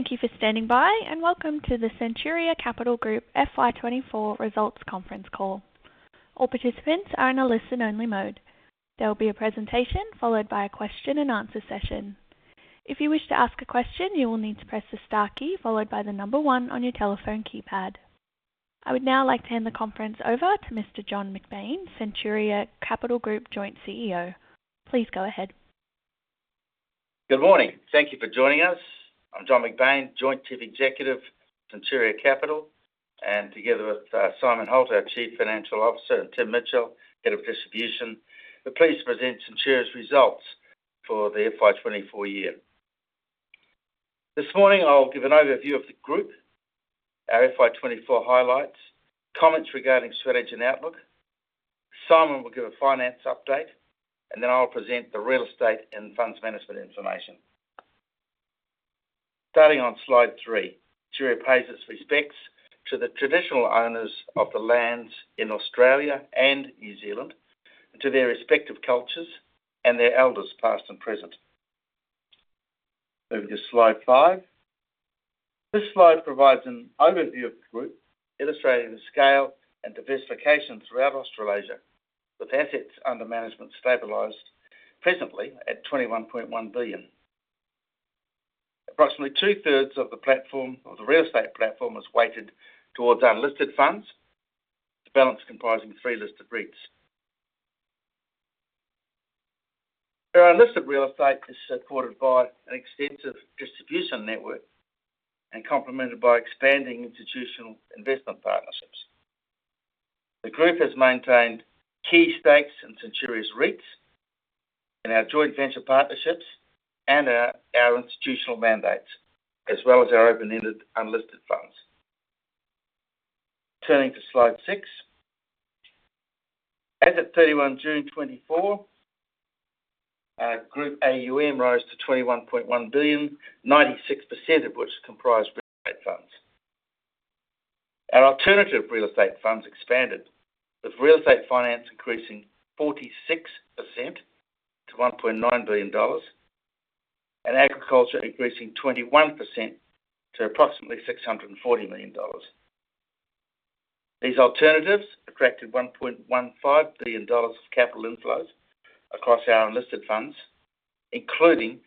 Thank you for standing by, and welcome to the Centuria Capital Group FY 2024 results conference call. All participants are in a listen-only mode. There will be a presentation, followed by a question and answer session. If you wish to ask a question, you will need to press the star key, followed by the number one on your telephone keypad. I would now like to hand the conference over to Mr. John McBain, Centuria Capital Group Joint CEO. Please go ahead. Good morning. Thank you for joining us. I'm John McBain, Joint Chief Executive, Centuria Capital, and together with Simon Holt, our Chief Financial Officer, and Tim Mitchell, Head of Distribution. We're pleased to present Centuria's results for the FY 2024 year. This morning, I'll give an overview of the group, our FY 2024 highlights, comments regarding strategy and outlook. Simon will give a finance update, and then I'll present the real estate and funds management information. Starting on slide three, Centuria pays its respects to the traditional owners of the lands in Australia and New Zealand, and to their respective cultures and their elders, past and present. Moving to slide five. This slide provides an overview of the group, illustrating the scale and diversification throughout Australasia, with assets under management stabilized presently at 21.1 billion. Approximately 2/3 of the platform, or the real estate platform, is weighted towards unlisted funds, the balance comprising three listed REITs. Our unlisted real estate is supported by an extensive distribution network and complemented by expanding institutional investment partnerships. The group has maintained key stakes in Centuria's REITs, in our joint venture partnerships, and our institutional mandates, as well as our open-ended unlisted funds. Turning to slide six. As of 31 June 2024, our group AUM rose to 21.1 billion, 96% of which comprised real estate funds. Our alternative real estate funds expanded, with real estate finance increasing 46% to 1.9 billion dollars, and agriculture increasing 21% to approximately 640 million dollars. These alternatives attracted 1.15 billion dollars of capital inflows across our unlisted funds, including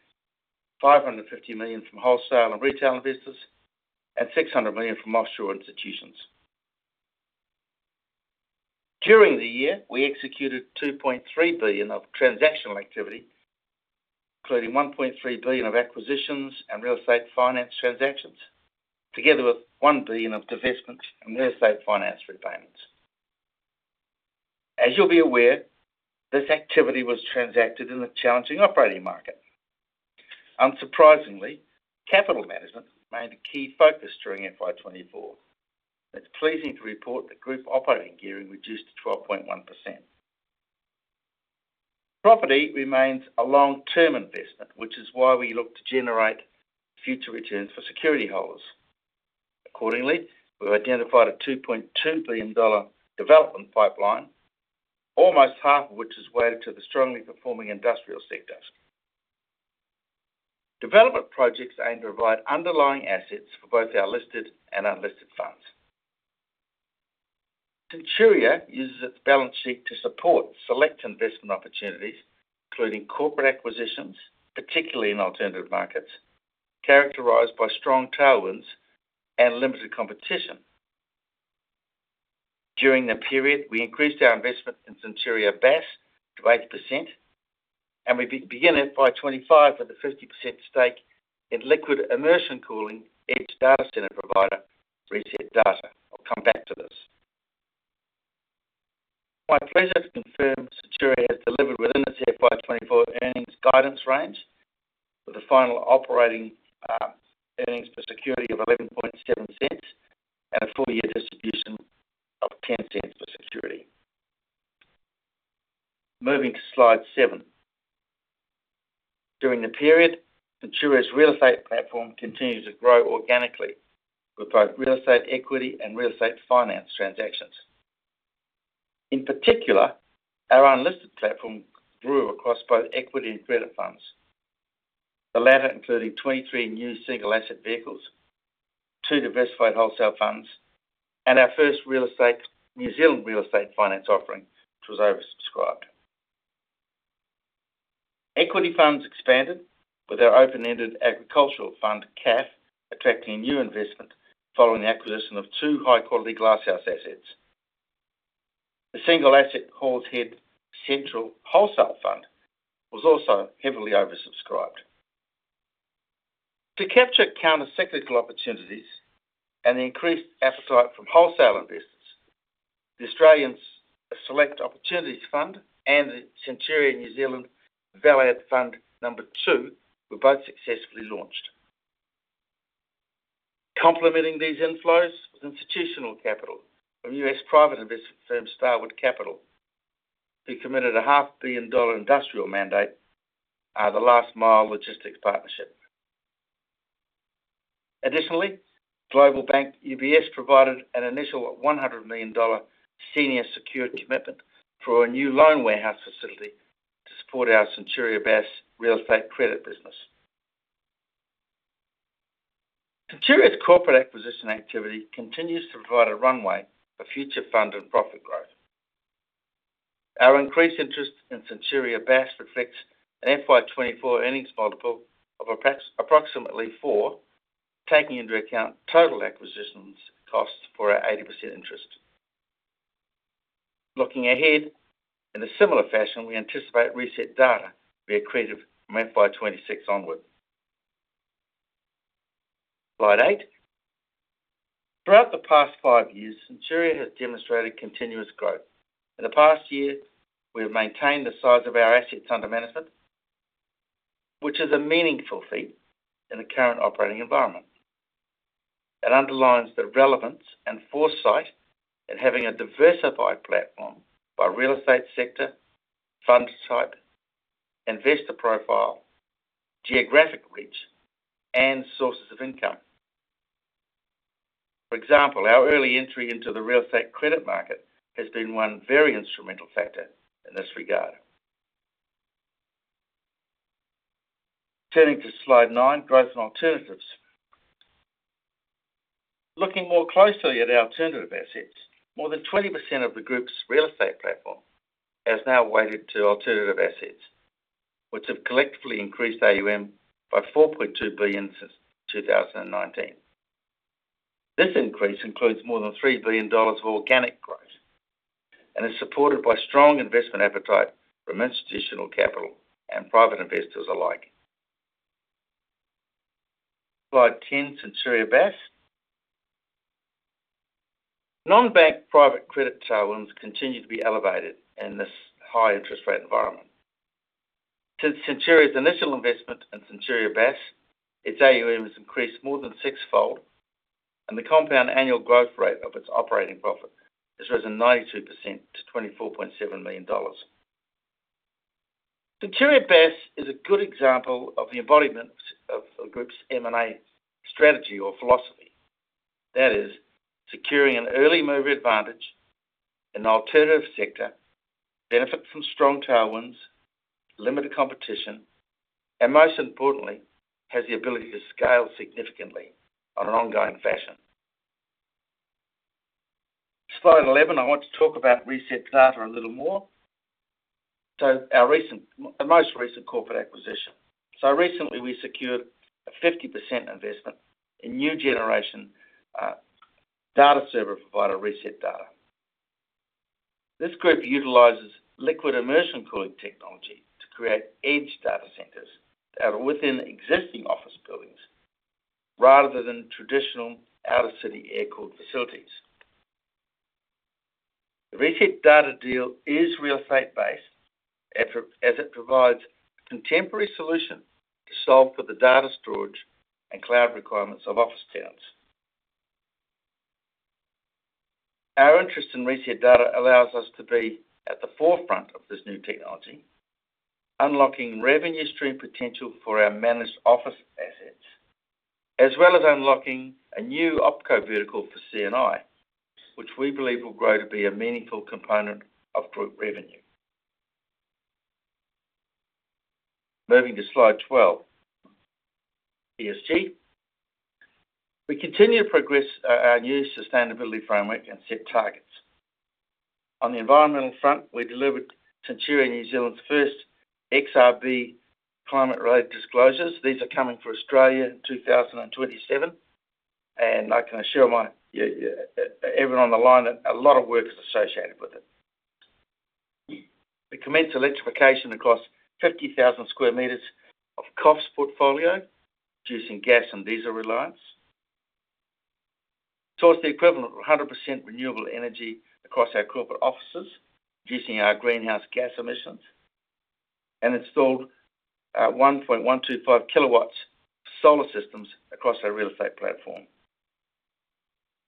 550 million from wholesale and retail investors, and 600 million from offshore institutions. During the year, we executed 2.3 billion of transactional activity, including 1.3 billion of acquisitions and real estate finance transactions, together with 1 billion of divestments and real estate finance repayments. As you'll be aware, this activity was transacted in a challenging operating market. Unsurprisingly, capital management remained a key focus during FY 2024. It's pleasing to report that group operating gearing reduced to 12.1%. Property remains a long-term investment, which is why we look to generate future returns for security holders. Accordingly, we've identified a 2.2 billion dollar development pipeline, almost half of which is weighted to the strongly performing industrial sectors. Development projects aim to provide underlying assets for both our listed and unlisted funds. Centuria uses its balance sheet to support select investment opportunities, including corporate acquisitions, particularly in alternative markets, characterized by strong tailwinds and limited competition. During the period, we increased our investment in Centuria Bass to 8%, and we began FY 2025 with a 50% stake in liquid immersion cooling edge data center provider, ResetData. I'll come back to this. My pleasure to confirm Centuria has delivered within its FY 2024 earnings guidance range, with a final operating earnings per security of 0.117, and a full year distribution of 0.10 per security. Moving to slide seven. During the period, Centuria's real estate platform continued to grow organically, with both real estate equity and real estate finance transactions. In particular, our unlisted platform grew across both equity and credit funds. The latter including 23 new single asset vehicles, two diversified wholesale funds, and our first real estate, New Zealand real estate finance offering, which was oversubscribed. Equity funds expanded with our open-ended agricultural fund, CAF, attracting new investment following the acquisition of two high-quality glasshouse assets. The single-asset Halls Head Central Wholesale Fund was also heavily oversubscribed. To capture countercyclical opportunities and the increased appetite from wholesale investors, the Australian Select Opportunities Fund and the Centuria New Zealand Value Add Fund No. 2, were both successfully launched. Complementing these inflows was institutional capital from U.S. private investment firm, Starwood Capital, who committed a AUD 500 million industrial mandate, the Last Mile Logistics Partnership. Additionally, global bank UBS provided an initial 100 million dollar senior secured commitment for a new loan warehouse facility to support our Centuria Bass real estate credit business. Centuria's corporate acquisition activity continues to provide a runway for future fund and profit growth. Our increased interest in Centuria Bass reflects an FY 2024 earnings multiple of approximately 4x, taking into account total acquisitions costs for our 80% interest. Looking ahead, in a similar fashion, we anticipate ResetData, be accretive from FY 2026 onward. Slide eight. Throughout the past five years, Centuria has demonstrated continuous growth. In the past year, we have maintained the size of our assets under management, which is a meaningful feat in the current operating environment. It underlines the relevance and foresight in having a diversified platform by real estate sector, fund type, investor profile, geographic reach, and sources of income. For example, our early entry into the real estate credit market has been one very instrumental factor in this regard. Turning to slide nine, growth and alternatives. Looking more closely at alternative assets, more than 20% of the group's real estate platform has now weighted to alternative assets, which have collectively increased AUM by AUD 4.2 billion since 2019. This increase includes more than 3 billion dollars of organic growth, and is supported by strong investment appetite from institutional capital and private investors alike. Slide ten, Centuria Bass. Non-bank private credit tailwinds continue to be elevated in this high interest rate environment. Since Centuria's initial investment in Centuria Bass, its AUM has increased more than sixfold, and the compound annual growth rate of its operating profit has risen 92% to 24.7 million dollars. Centuria Bass is a good example of the embodiment of the group's M&A strategy or philosophy. That is, securing an early mover advantage in the alternative sector, benefit from strong tailwinds, limited competition, and most importantly, has the ability to scale significantly on an ongoing fashion. Slide 11, I want to talk about ResetData a little more. So our most recent corporate acquisition. So recently, we secured a 50% investment in new generation, data server provider, ResetData. This group utilizes liquid immersion cooling technology to create edge data centers that are within existing office buildings, rather than traditional out-of-city air-cooled facilities. The ResetData deal is real estate-based, as it provides a contemporary solution to solve for the data storage and cloud requirements of office tenants. Our interest in ResetData allows us to be at the forefront of this new technology, unlocking revenue stream potential for our managed office assets, as well as unlocking a new OpCo vertical for CNI, which we believe will grow to be a meaningful component of group revenue. Moving to slide 12, ESG. We continue to progress our new sustainability framework and set targets. On the environmental front, we delivered Centuria New Zealand's first XRB climate-related disclosures. These are coming for Australia in 2027, and I can assure everyone on the line that a lot of work is associated with it. We commenced electrification across 50,000 sq m of COF portfolio, reducing gas and diesel reliance. Towards the equivalent of 100% renewable energy across our corporate offices, reducing our greenhouse gas emissions, and installed 1,125 kW solar systems across our real estate platform.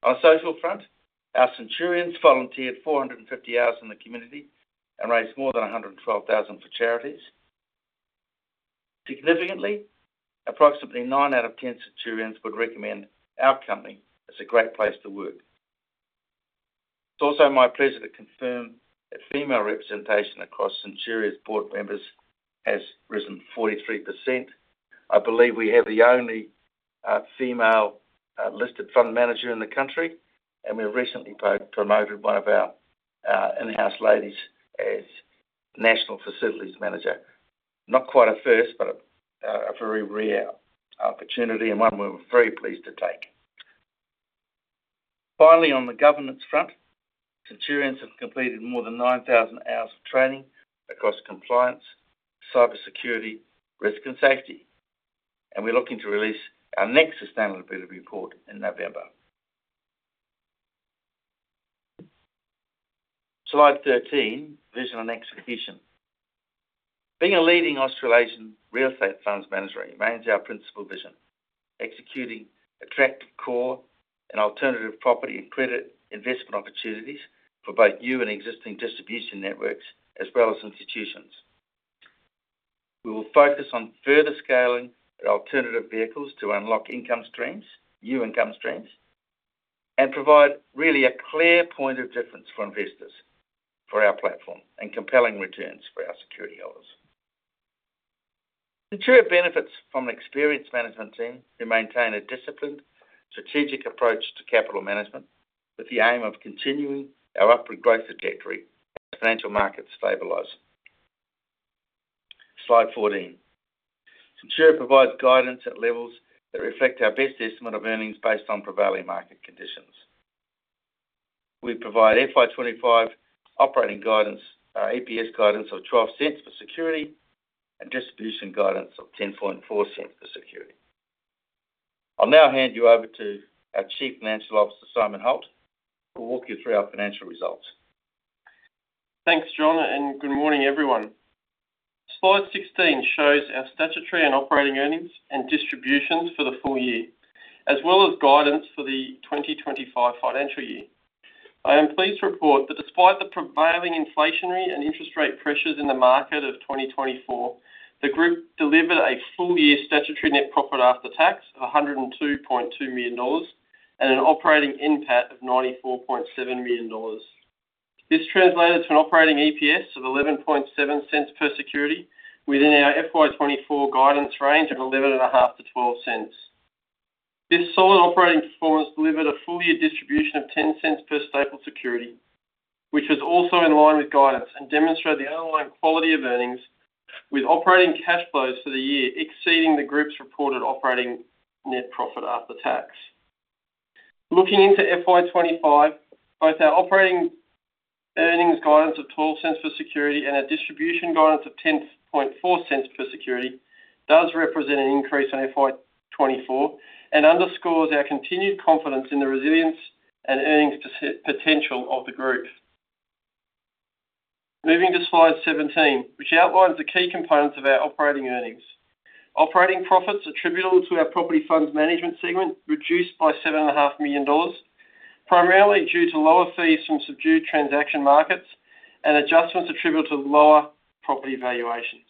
On a social front, our Centurions volunteered 450 hours in the community and raised more than 112,000 for charities. Significantly, approximately nine out of 10 Centurions would recommend our company as a great place to work. It's also my pleasure to confirm that female representation across Centuria's board members has risen 43%. I believe we have the only female listed fund manager in the country, and we have recently promoted one of our in-house ladies as National Facilities Manager. Not quite a first, but a very rare opportunity, and one we were very pleased to take. Finally, on the governance front, Centurians have completed more than 9,000 hours of training across compliance, cyber security, risk, and safety, and we're looking to release our next sustainability report in November. Slide 13, vision and execution. Being a leading Australasian real estate funds manager remains our principal vision, executing attractive core and alternative property and credit investment opportunities for both new and existing distribution networks, as well as institutions. We will focus on further scaling our alternative vehicles to unlock income streams, new income streams, and provide really a clear point of difference for investors, for our platform, and compelling returns for our security holders. Centuria benefits from an experienced management team who maintain a disciplined, strategic approach to capital management, with the aim of continuing our upward growth trajectory as financial markets stabilize. Slide 14. Centuria provides guidance at levels that reflect our best estimate of earnings based on prevailing market conditions. We provide FY 2025 operating guidance, EPS guidance of 0.12 per security, and distribution guidance of 0.104 per security. I'll now hand you over to our Chief Financial Officer, Simon Holt, who will walk you through our financial results. Thanks, John, and good morning, everyone. Slide 16 shows our statutory and operating earnings and distributions for the full year, as well as guidance for the 2025 financial year. I am pleased to report that despite the prevailing inflationary and interest rate pressures in the market of 2024, the group delivered a full-year statutory net profit after tax of 102.2 million dollars, and an operating NPAT of 94.7 million dollars. This translated to an operating EPS of 0.117 per security, within our FY 2024 guidance range of 0.115-0.12. This solid operating performance delivered a full year distribution of 0.10 per stapled security, which is also in line with guidance, and demonstrate the underlying quality of earnings, with operating cash flows for the year exceeding the group's reported operating net profit after tax. Looking into FY 2025, both our operating earnings guidance of 0.12 per security and our distribution guidance of 0.104 per security, does represent an increase on FY 2024, and underscores our continued confidence in the resilience and earnings potential of the group. Moving to slide 17, which outlines the key components of our operating earnings. Operating profits attributable to our property funds management segment reduced by 7.5 million dollars, primarily due to lower fees from subdued transaction markets and adjustments attributable to lower property valuations.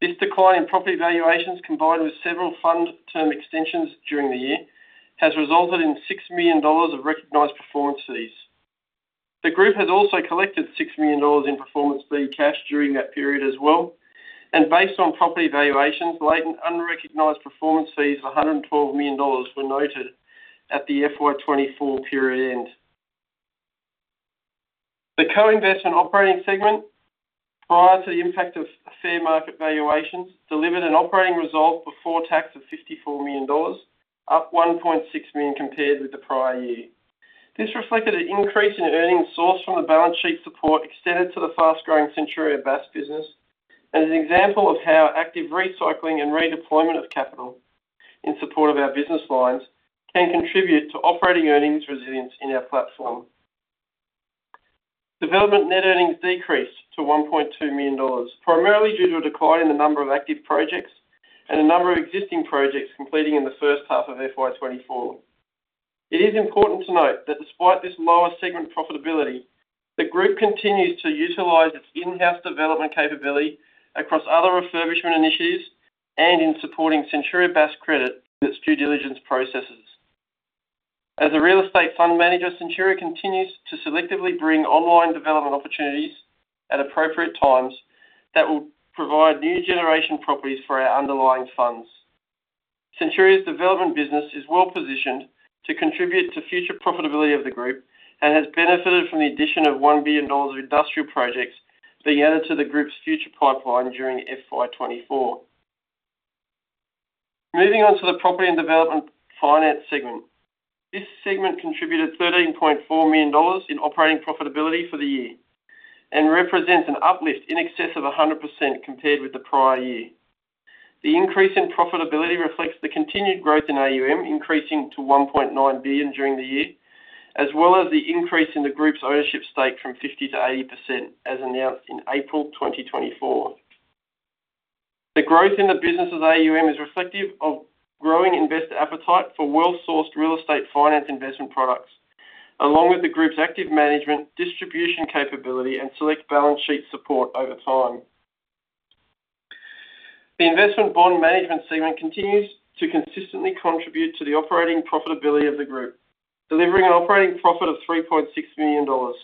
This decline in property valuations, combined with several fund term extensions during the year, has resulted in 6 million dollars of recognized performance fees. The group has also collected 6 million dollars in performance fee cash during that period as well, and based on property valuations, latent unrecognized performance fees of AUD 112 million were noted at the FY 2024 period end. The co-investment operating segment, prior to the impact of fair market valuations, delivered an operating result before tax of 54 million dollars, up 1.6 million compared with the prior year. This reflected an increase in earnings sourced from the balance sheet support extended to the fast-growing Centuria Bass business, as an example of how active recycling and redeployment of capital in support of our business lines can contribute to operating earnings resilience in our platform. Development net earnings decreased to 1.2 million dollars, primarily due to a decline in the number of active projects and a number of existing projects completing in the first half of FY 2024. It is important to note that despite this lower segment profitability, the group continues to utilize its in-house development capability across other refurbishment initiatives, and in supporting Centuria Bass Credit through its due diligence processes. As a real estate fund manager, Centuria continues to selectively bring online development opportunities at appropriate times, that will provide new generation properties for our underlying funds. Centuria's development business is well-positioned to contribute to future profitability of the group, and has benefited from the addition of 1 billion dollars of industrial projects being added to the group's future pipeline during FY 2024. Moving on to the property and development finance segment. This segment contributed 13.4 million dollars in operating profitability for the year, and represents an uplift in excess of 100% compared with the prior year. The increase in profitability reflects the continued growth in AUM, increasing to 1.9 billion during the year, as well as the increase in the group's ownership stake from 50% to 80%, as announced in April 2024. The growth in the business of AUM is reflective of growing investor appetite for well-sourced real estate finance investment products, along with the group's active management, distribution capability, and select balance sheet support over time. The investment bond management segment continues to consistently contribute to the operating profitability of the group, delivering an operating profit of 3.6 million dollars.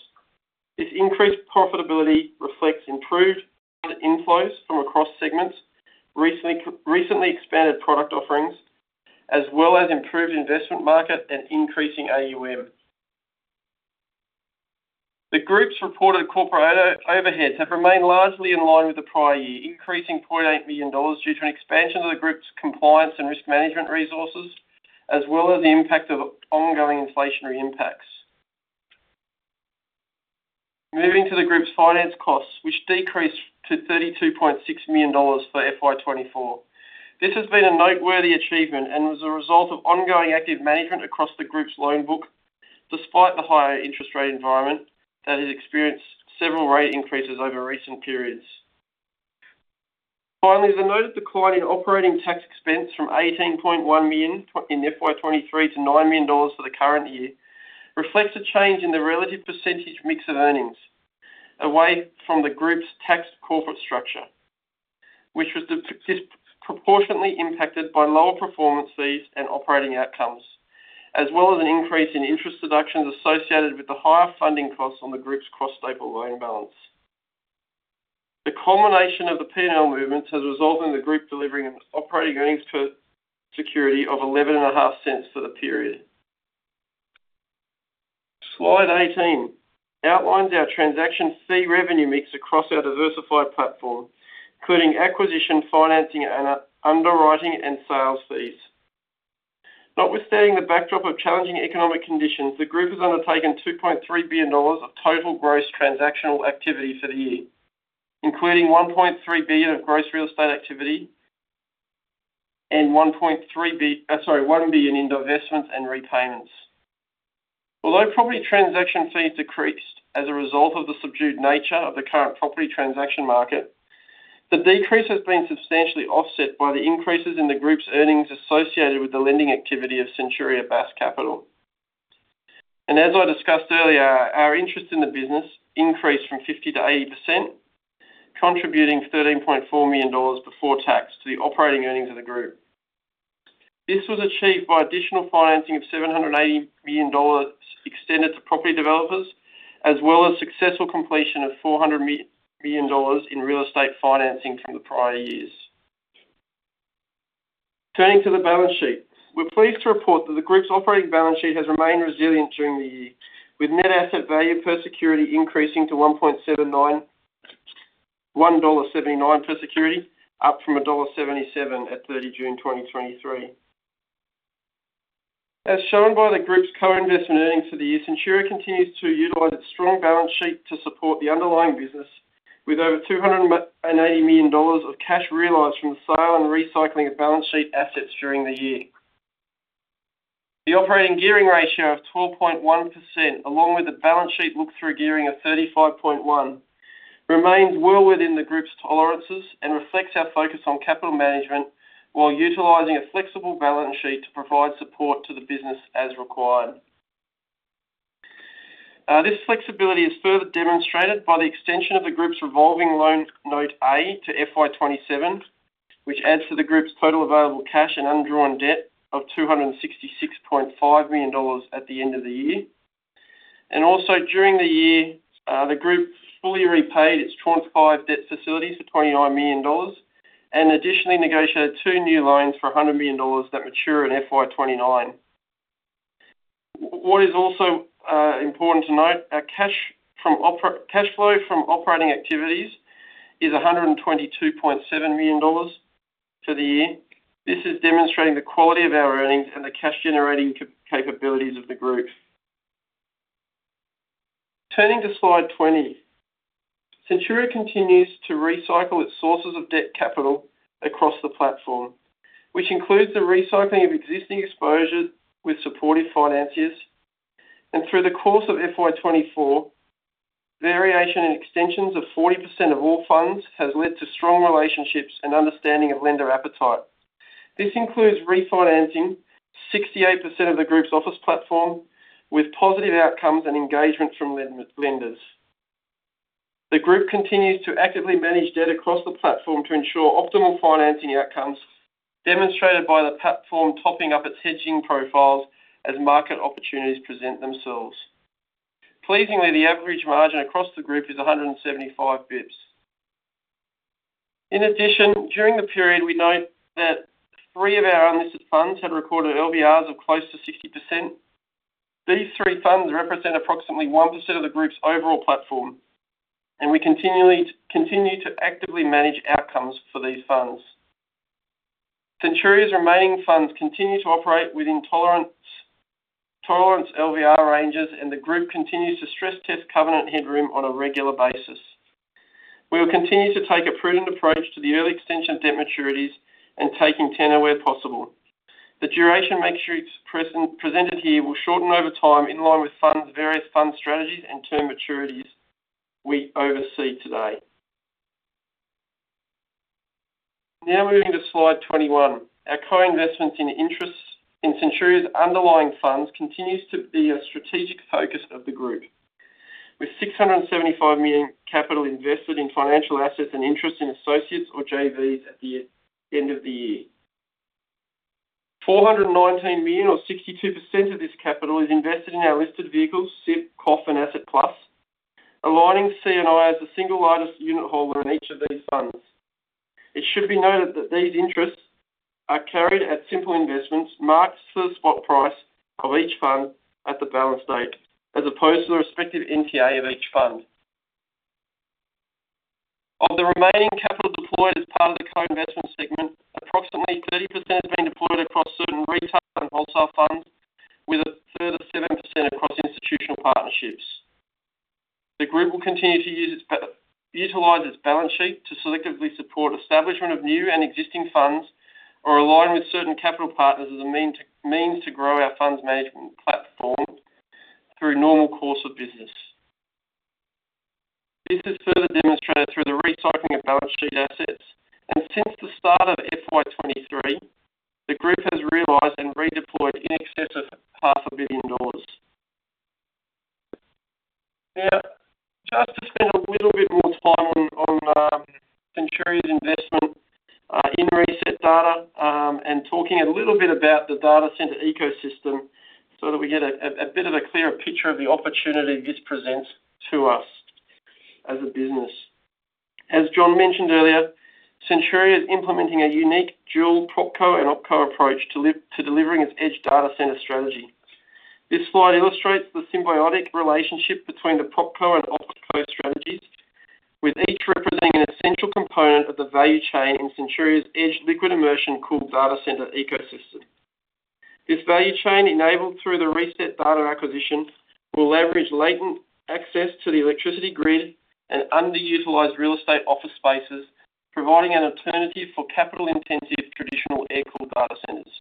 This increased profitability reflects improved inflows from across segments, recently expanded product offerings, as well as improved investment market and increasing AUM. The group's reported corporate overhead have remained largely in line with the prior year, increasing 0.8 million dollars due to an expansion of the group's compliance and risk management resources, as well as the impact of ongoing inflationary impacts. Moving to the group's finance costs, which decreased to 32.6 million dollars for FY 2024. This has been a noteworthy achievement and was a result of ongoing active management across the group's loan book, despite the higher interest rate environment that has experienced several rate increases over recent periods. Finally, the noted decline in operating tax expense from 18.1 million in FY 2023 to 9 million dollars for the current year reflects a change in the relative percentage mix of earnings away from the group's taxed corporate structure, which was disproportionately impacted by lower performance fees and operating outcomes, as well as an increase in interest deductions associated with the higher funding costs on the group's cross staple loan balance. The combination of the P&L movements has resulted in the group delivering an operating earnings per security of 0.115 for the period. Slide 18 outlines our transaction fee revenue mix across our diversified platform, including acquisition, financing, and underwriting, and sales fees. Notwithstanding the backdrop of challenging economic conditions, the group has undertaken 2.3 billion dollars of total gross transactional activity for the year, including 1.3 billion of gross real estate activity and 1 billion in divestments and repayments. Although property transaction fees decreased as a result of the subdued nature of the current property transaction market, the decrease has been substantially offset by the increases in the group's earnings associated with the lending activity of Centuria Bass Credit. As I discussed earlier, our interest in the business increased from 50% to 80%, contributing 13.4 million dollars before tax to the operating earnings of the group. This was achieved by additional financing of 780 million dollars extended to property developers, as well as successful completion of 400 million dollars in real estate financing from the prior years. Turning to the balance sheet. We're pleased to report that the group's operating balance sheet has remained resilient during the year, with net asset value per security increasing to 1.79 dollar per security, up from dollar 1.77 at 30 June 2023. As shown by the group's co-investment earnings for the year, Centuria continues to utilize its strong balance sheet to support the underlying business, with over 280 million dollars of cash realized from the sale and recycling of balance sheet assets during the year. The operating gearing ratio of 12.1%, along with a balance sheet look-through gearing of 35.1, remains well within the group's tolerances and reflects our focus on capital management, while utilizing a flexible balance sheet to provide support to the business as required. This flexibility is further demonstrated by the extension of the group's revolving loan Note A to FY 2027, which adds to the group's total available cash and undrawn debt of 266.5 million dollars at the end of the year, and also during the year, the group fully repaid its FY 2025 debt facilities for 29 million dollars, and additionally negotiated two new loans for 100 million dollars that mature in FY 2029. What is also important to note, our cash flow from operating activities is 122.7 million dollars for the year. This is demonstrating the quality of our earnings and the cash-generating capabilities of the group. Turning to slide 20. Centuria continues to recycle its sources of debt capital across the platform, which includes the recycling of existing exposures with supportive financiers. Through the course of FY 2024, variation and extensions of 40% of all funds has led to strong relationships and understanding of lender appetite. This includes refinancing 68% of the group's office platform, with positive outcomes and engagement from lenders. The group continues to actively manage debt across the platform to ensure optimal financing outcomes, demonstrated by the platform topping up its hedging profiles as market opportunities present themselves. Pleasingly, the average margin across the group is 175 basis points. In addition, during the period, we note that three of our unlisted funds have recorded LVRs of close to 60%. These three funds represent approximately 1% of the group's overall platform, and we continue to actively manage outcomes for these funds. Centuria's remaining funds continue to operate within tolerance LVR ranges, and the group continues to stress test covenant headroom on a regular basis. We will continue to take a prudent approach to the early extension of debt maturities and taking tenor where possible. The duration matrices presented here will shorten over time, in line with funds, various fund strategies and term maturities we oversee today. Now, moving to slide 21. Our co-investments in interests in Centuria's underlying funds continues to be a strategic focus of the group, with 675 million capital invested in financial assets and interest in associates or JVs at the end of the year. 419 million, or 62% of this capital, is invested in our listed vehicles, CIP, COF, and Asset Plus, aligning CNI as the single largest unitholder in each of these funds. It should be noted that these interests are carried at simple investments, marked to the spot price of each fund at the balance date, as opposed to the respective NTA of each fund. Of the remaining capital deployed as part of the co-investment segment, approximately 30% has been deployed across certain retail and wholesale funds, with a further 7% across institutional partnerships. The group will continue to utilize its balance sheet to selectively support establishment of new and existing funds, or align with certain capital partners as a means to grow our funds management platform through normal course of business. This is further demonstrated through the recycling of balance sheet assets, and since the start of FY 2023, the group has realized and redeployed in excess of AUD 500 million. Now, just to spend a little bit more time on Centuria's investment in ResetData, and talking a little bit about the data center ecosystem, so that we get a bit of a clearer picture of the opportunity this presents to us as a business. As John mentioned earlier, Centuria is implementing a unique dual PropCo and OpCo approach to delivering its edge data center strategy. This slide illustrates the symbiotic relationship between the PropCo and OpCo strategies, with each representing an essential component of the value chain in Centuria's edge liquid immersion-cooled data center ecosystem. This value chain, enabled through the ResetData acquisition, will leverage latent access to the electricity grid and underutilized real estate office spaces, providing an alternative for capital-intensive, traditional air-cooled data centers.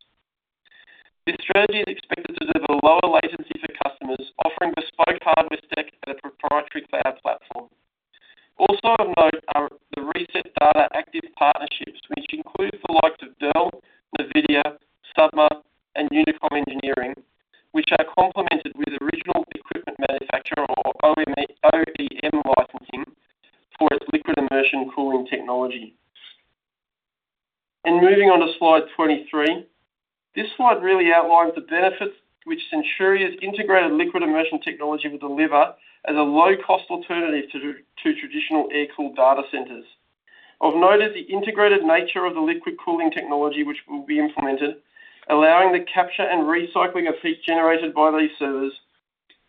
This strategy is expected to deliver a lower latency for customers, offering bespoke hardware stack at a proprietary cloud platform. Also of note are the ResetData active partnerships, which include the likes of Dell, NVIDIA, Submer, and UNICOM Engineering, which are complemented with original equipment manufacturer or OEM, OEM licensing for its liquid immersion cooling technology. And moving on to slide 23. This slide really outlines the benefits which Centuria's integrated liquid immersion technology will deliver as a low-cost alternative to traditional air-cooled data centers. Of note is the integrated nature of the liquid cooling technology, which will be implemented, allowing the capture and recycling of heat generated by these servers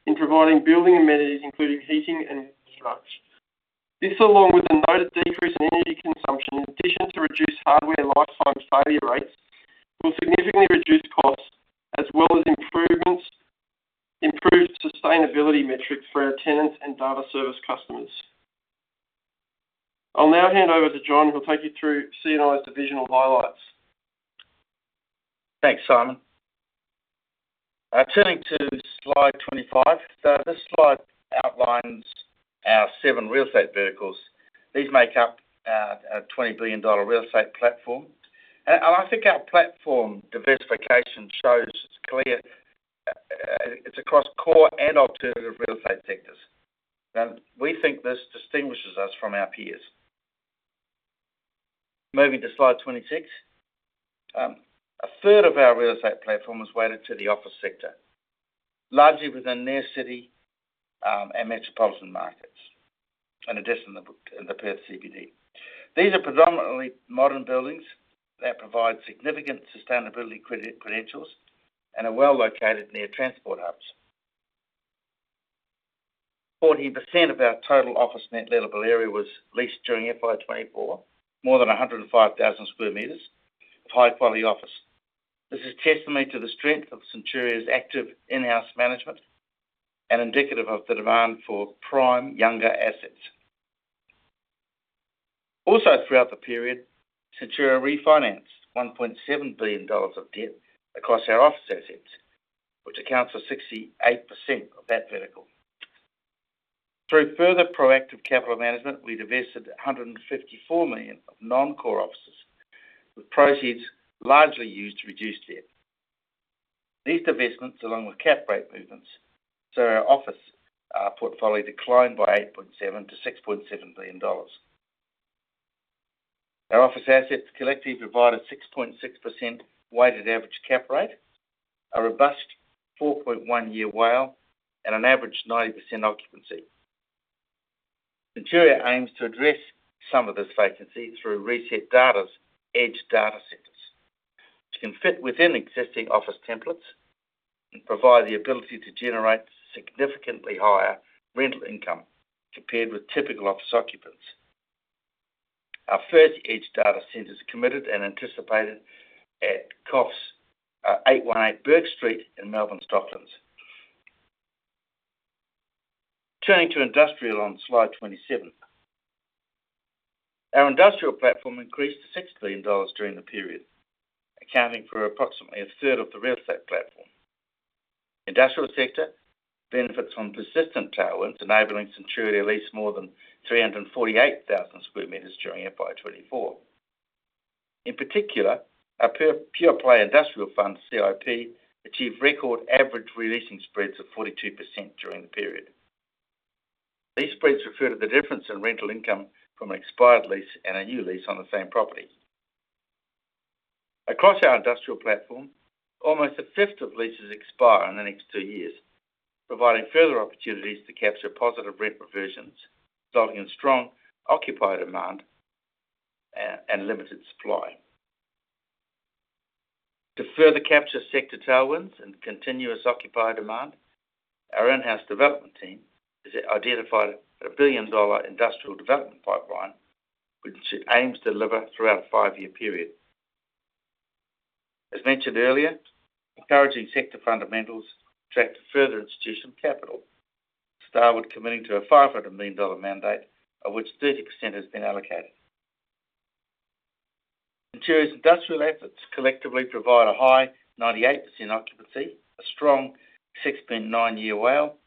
in providing building amenities, including heating and structure. This, along with the noted decrease in energy consumption, in addition to reduced hardware and lifetime failure rates, will significantly reduce costs, as well as improvements, improved sustainability metrics for our tenants and data service customers. I'll now hand over to John, who'll take you through CNI's divisional highlights. Thanks, Simon. Turning to slide 25. This slide outlines our seven real estate vehicles. These make up a 20 billion dollar real estate platform. And I think our platform diversification shows clear it's across core and alternative real estate sectors, and we think this distinguishes us from our peers. Moving to slide 26. A third of our real estate platform is weighted to the office sector, largely within near city and metropolitan markets, in addition to the Perth CBD. These are predominantly modern buildings that provide significant sustainability credentials, and are well located near transport hubs. 40% of our total office net lettable area was leased during FY 2024, more than 105,000 sq m of high-quality office. This is testimony to the strength of Centuria's active in-house management and indicative of the demand for prime, younger assets. Also, throughout the period, Centuria refinanced 1.7 billion dollars of debt across our office assets, which accounts for 68% of that vertical. Through further proactive capital management, we divested 154 million of non-core offices, with proceeds largely used to reduce debt. These divestments, along with cap rate movements, so our office portfolio declined by 8.7 billion-6.7 billion dollars. Our office assets collectively provided 6.6% weighted average cap rate, a robust 4.1-year WALE, and an average 90% occupancy. Centuria aims to address some of this vacancy through ResetData's edge data centers, which can fit within existing office templates and provide the ability to generate significantly higher rental income, compared with typical office occupants. Our first edge data center is committed and anticipated at 818 Bourke Street in Melbourne's Docklands. Turning to industrial on slide 27. Our industrial platform increased to 6 billion dollars during the period, accounting for approximately a third of the real estate platform. Industrial sector benefits from persistent tailwinds, enabling Centuria to lease more than 348,000 sq m during FY 2024. In particular, our pure play industrial fund, CIP, achieved record average re-leasing spreads of 42% during the period. These spreads refer to the difference in rental income from an expired lease and a new lease on the same property. Across our industrial platform, almost a fifth of leases expire in the next two years, providing further opportunities to capture positive rent reversions, resulting in strong occupied demand and limited supply. To further capture sector tailwinds and continuous occupied demand, our in-house development team has identified a 1 billion dollar industrial development pipeline, which it aims to deliver throughout a five-year period. As mentioned earlier, encouraging sector fundamentals attract further institutional capital, Starwood committing to a 500 million dollar mandate, of which 30% has been allocated. Centuria's industrial efforts collectively provide a high 98% occupancy, a strong 6.9-year WALE,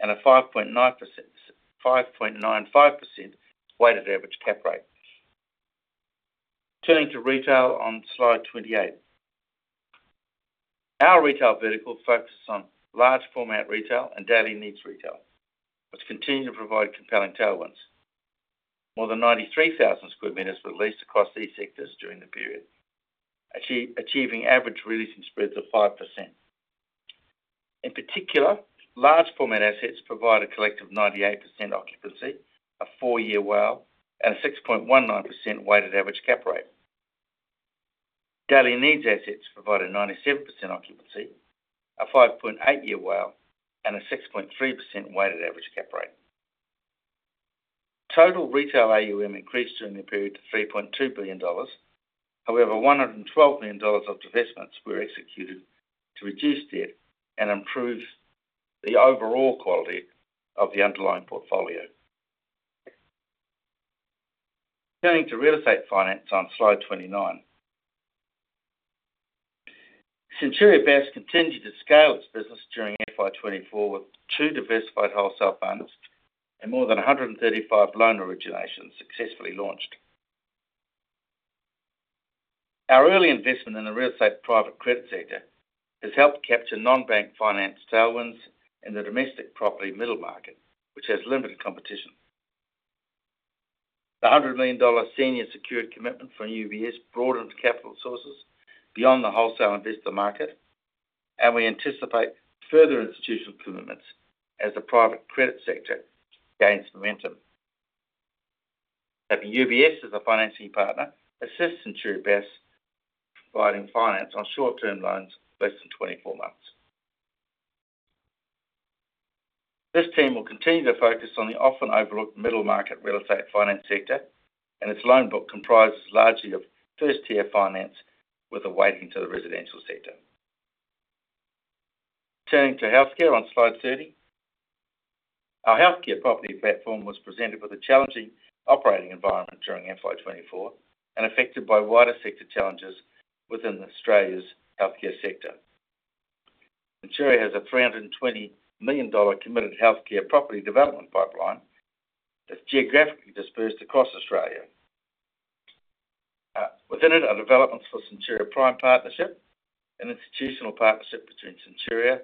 and a 5.95% weighted average cap rate. Turning to retail on slide 28. Our retail vertical focuses on large format retail and daily needs retail, which continue to provide compelling tailwinds. More than 93,000 sq m were leased across these sectors during the period, achieving average re-leasing spreads of 5%. In particular, large format assets provide a collective 98% occupancy, a four-year WALE, and a 6.19% weighted average cap rate. Daily needs assets provide a 97% occupancy, a 5.8-year WALE, and a 6.3% weighted average cap rate. Total retail AUM increased during the period to 3.2 billion dollars. However, 112 million dollars of divestments were executed to reduce debt and improve the overall quality of the underlying portfolio. Turning to real estate finance on slide 29. Centuria Bass continued to scale its business during FY 2024, with two diversified wholesale funds and more than 135 loan originations successfully launched. Our early investment in the real estate private credit sector has helped capture non-bank finance tailwinds in the domestic property middle market, which has limited competition. The 100 million dollar senior secured commitment from UBS broadened capital sources beyond the wholesale investor market, and we anticipate further institutional commitments as the private credit sector gains momentum. At the UBS, as a financing partner, assists Centuria Bass, providing finance on short-term loans less than 24 months. This team will continue to focus on the often overlooked middle market real estate finance sector, and its loan book comprises largely of first-tier finance, with a weighting to the residential sector. Turning to healthcare on slide 30. Our healthcare property platform was presented with a challenging operating environment during FY 2024, and affected by wider sector challenges within Australia's healthcare sector. Centuria has a 320 million dollar committed healthcare property development pipeline, that's geographically dispersed across Australia. Within it, are developments for Centuria Prime Partnership, an institutional partnership between Centuria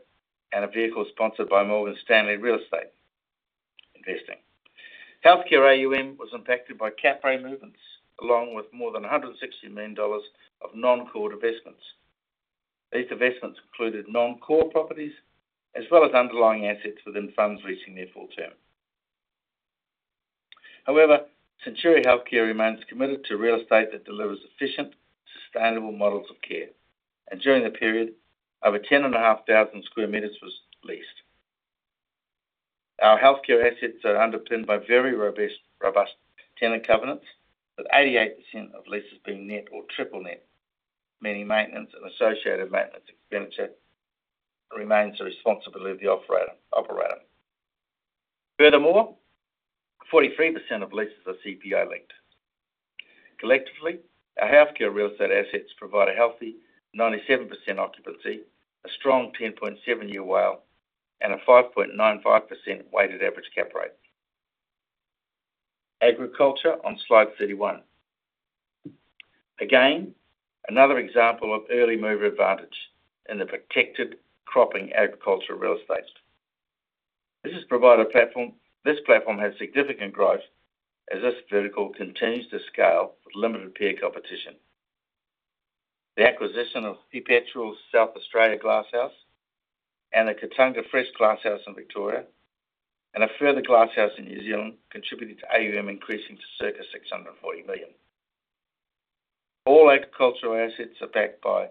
and a vehicle sponsored by Morgan Stanley Real Estate Investing. Healthcare AUM was impacted by Cap Rate movements, along with more than 160 million dollars of non-core divestments. These divestments included non-core properties, as well as underlying assets within funds reaching their full term. However, Centuria Healthcare remains committed to real estate that delivers efficient, sustainable models of care, and during the period, over 10,500 sq m was leased. Our healthcare assets are underpinned by very robust tenant covenants, with 88% of leases being net or triple net, meaning maintenance and associated maintenance expenditure remains the responsibility of the operator. Furthermore, 43% of leases are CPI linked. Collectively, our healthcare real estate assets provide a healthy 97% occupancy, a strong 10.7-year WALE, and a 5.95% weighted average cap rate. Agriculture on slide 31. Again, another example of early mover advantage in the protected cropping agricultural real estate. This has provided a platform. This platform has significant growth as this vertical continues to scale with limited peer competition. The acquisition of P'Petual South Australia glasshouse and the Katunga Fresh glasshouse in Victoria, and a further glasshouse in New Zealand, contributed to AUM increasing to circa 640 million. All agricultural assets are backed by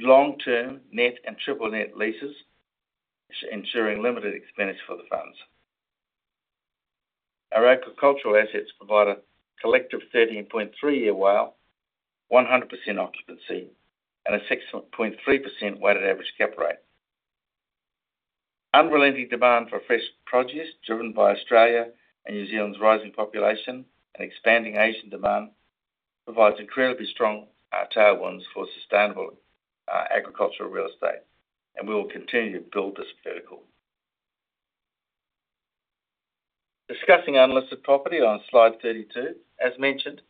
long-term net and triple net leases, ensuring limited expense for the funds. Our agricultural assets provide a collective 13.3-year WALE, 100% occupancy, and a 6.3% weighted average cap rate. Unrelenting demand for fresh produce, driven by Australia and New Zealand's rising population and expanding Asian demand, provides incredibly strong tailwinds for sustainable agricultural real estate, and we will continue to build this vertical. Discussing unlisted property on slide 32. As mentioned,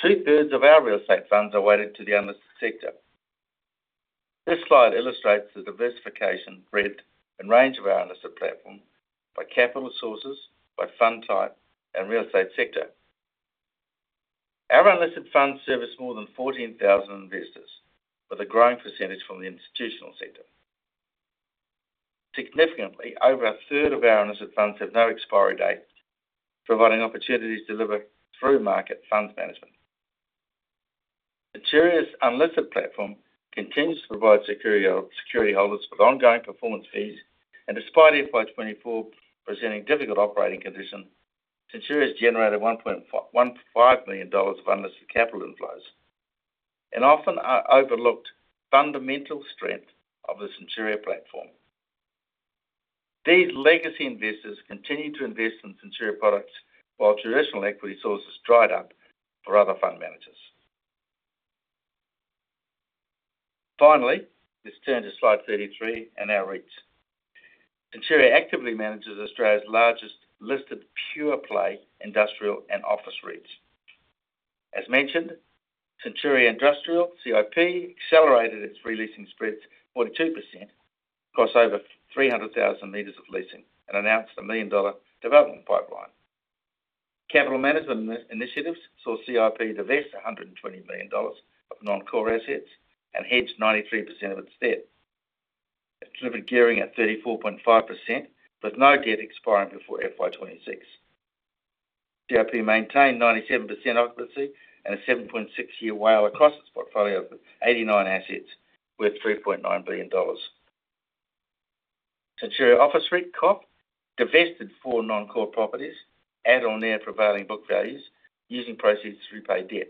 2/3 of our real estate funds are weighted to the unlisted sector. This slide illustrates the diversification, breadth, and range of our unlisted platform by capital sources, by fund type, and real estate sector. Our unlisted funds service more than 14,000 investors, with a growing percentage from the institutional sector. Significantly, over 1/3 of our unlisted funds have no expiry date, providing opportunities delivered through market funds management. Centuria's unlisted platform continues to provide security holders with ongoing performance fees, and despite FY 2024 presenting difficult operating conditions, Centuria has generated 1.5 million dollars of unlisted capital inflows, an often overlooked fundamental strength of the Centuria platform. These legacy investors continue to invest in Centuria products, while traditional equity sources dried up for other fund managers. Finally, let's turn to slide 33 and our REITs. Centuria actively manages Australia's largest listed pure-play industrial and office REITs. As mentioned, Centuria Industrial, CIP, accelerated its re-leasing spreads 42% across over 300,000 sq m of leasing and announced a 1 million dollar development pipeline. Capital management initiatives saw CIP divest 120 million dollars of non-core assets and hedge 93% of its debt. It delivered gearing at 34.5%, with no debt expiring before FY 2026. CIP maintained 97% occupancy and a 7.6-year WALE across its portfolio of 89 assets, worth 3.9 billion dollars. Centuria Office REIT, COF, divested 4 non-core properties at or near prevailing book values, using proceeds to repay debt.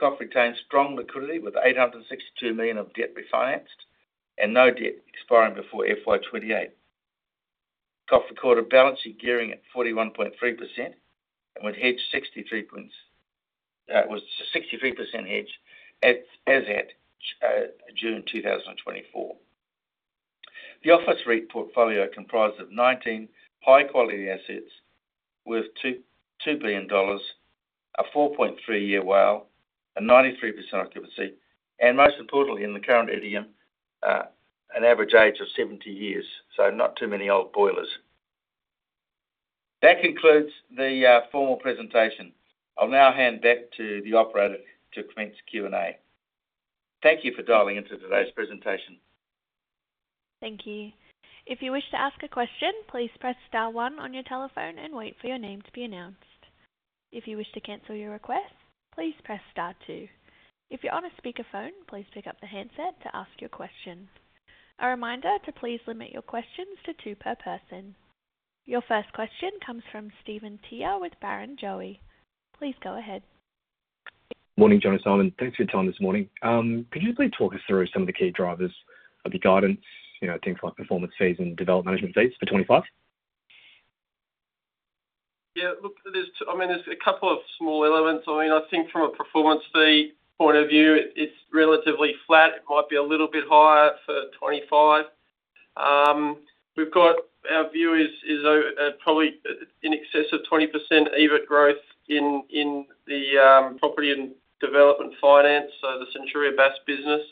COF retains strong liquidity with 862 million of debt refinanced and no debt expiring before FY 2028. COF recorded a balanced gearing at 41.3% and with hedged 63 points, with 63% hedged as at June 2024. The office REIT portfolio comprises of 19 high-quality assets worth AUD 2.2 billion, a 4.3-year WALE, a 93% occupancy, and most importantly, in the current idiom, an average age of 17 years, so not too many old boilers. That concludes the formal presentation. I'll now hand back to the operator to commence Q&A. Thank you for dialing into today's presentation. Thank you. If you wish to ask a question, please press star one on your telephone and wait for your name to be announced. If you wish to cancel your request, please press star two. If you're on a speakerphone, please pick up the handset to ask your question. A reminder to please limit your questions to two per person. Your first question comes from Steven Tjia with Barrenjoey. Please go ahead. Morning, John and Simon. Thanks for your time this morning. Could you please talk us through some of the key drivers of the guidance, you know, things like performance fees and development management fees for 2025? Yeah, look, there's, I mean, there's a couple of small elements. I mean, I think from a performance fee point of view, it's relatively flat. It might be a little bit higher for 2025. We've got our view is probably in excess of 20% EBIT growth in the property and development finance, so the Centuria Bass business.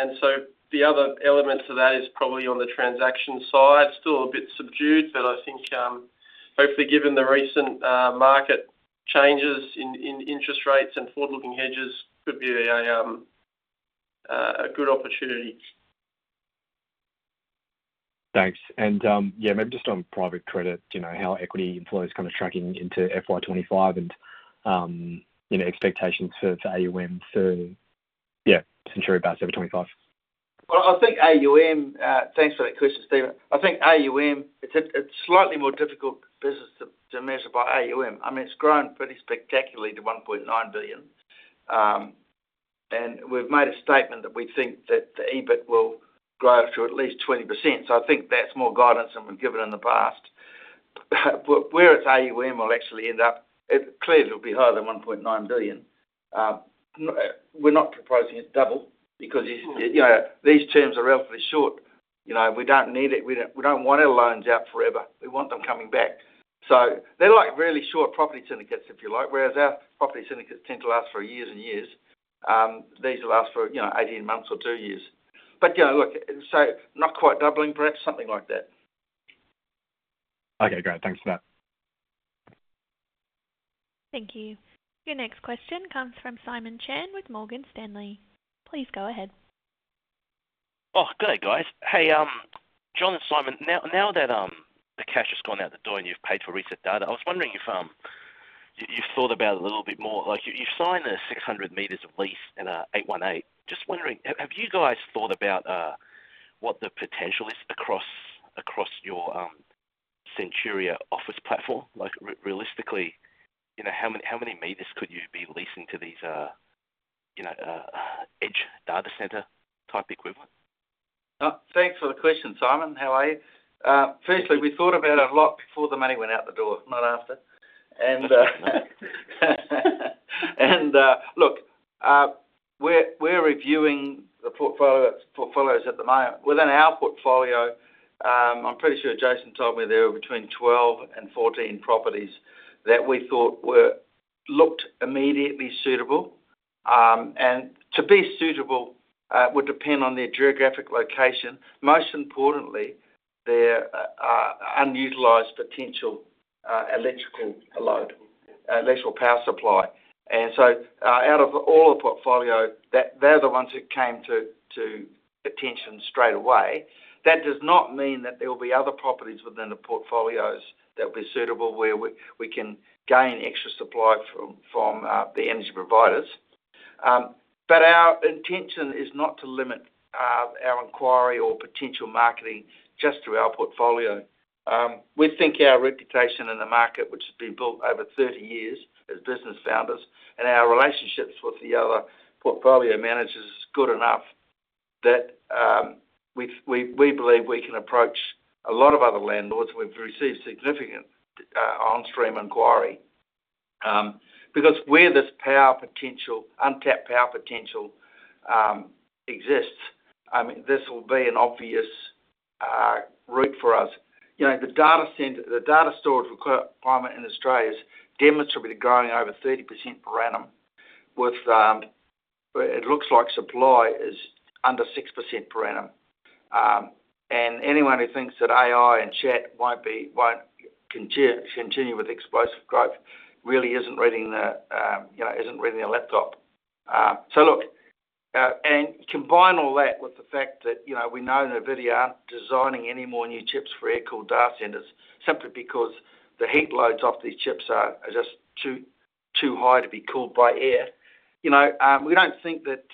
And so the other element to that is probably on the transaction side, still a bit subdued, but I think, hopefully, given the recent market changes in interest rates and forward-looking hedges, could be a good opportunity. Thanks. Yeah, maybe just on private credit, you know, how equity inflows kind of tracking into FY 2025 and, you know, expectations for AUM to Centuria about 725. Well, I think AUM, thanks for that question, Steven. I think AUM, it's slightly more difficult business to measure by AUM. I mean, it's grown pretty spectacularly to 1.9 billion. And we've made a statement that we think that the EBIT will grow to at least 20%. So I think that's more guidance than we've given in the past. But where its AUM will actually end up, it clearly will be higher than 1.9 billion. We're not proposing it double, because you know, these terms are relatively short. You know, we don't need it. We don't want our loans out forever. We want them coming back. So they're like really short property syndicates, if you like, whereas our property syndicates tend to last for years and years. These will last for, you know, 18 months or two years. But, you know, look, so not quite doubling, perhaps something like that. Okay, great. Thanks for that. Thank you. Your next question comes from Simon Chan with Morgan Stanley. Please go ahead. Oh, good day, guys. Hey, John and Simon, now that the cash has gone out the door and you've paid for ResetData, I was wondering if you’ve thought about a little bit more - like, you've signed 600 m of lease in 818. Just wondering, have you guys thought about what the potential is across your Centuria office platform? Like, realistically, you know, how many meters could you be leasing to these, you know, edge data center-type equivalent? Thanks for the question, Simon. How are you? Firstly, we thought about it a lot before the money went out the door, not after, and look, we're reviewing the portfolio, portfolios at the moment. Within our portfolio, I'm pretty sure Jason told me there were between 12 and 14 properties that we thought looked immediately suitable. To be suitable, would depend on their geographic location, most importantly, their unutilized potential, electrical load, electrical power supply. So, out of all the portfolio, they're the ones who came to attention straight away. That does not mean that there will be other properties within the portfolios that will be suitable, where we can gain extra supply from the energy providers. But our intention is not to limit our inquiry or potential marketing just through our portfolio. We think our reputation in the market, which has been built over 30 years as business founders, and our relationships with the other portfolio managers, is good enough that we believe we can approach a lot of other landlords. We've received significant onstream inquiry because where there's power potential, untapped power potential exists. I mean, this will be an obvious REIT for us. You know, the data center, the data storage requirement in Australia is demonstrably growing over 30% per annum, but it looks like supply is under 6% per annum. And anyone who thinks that AI and chat won't continue with explosive growth really isn't reading the, you know, isn't reading a laptop. So look, and combine all that with the fact that, you know, we know NVIDIA aren't designing any more new chips for air-cooled data centers, simply because the heat loads off these chips are just too high to be cooled by air. You know, we don't think that,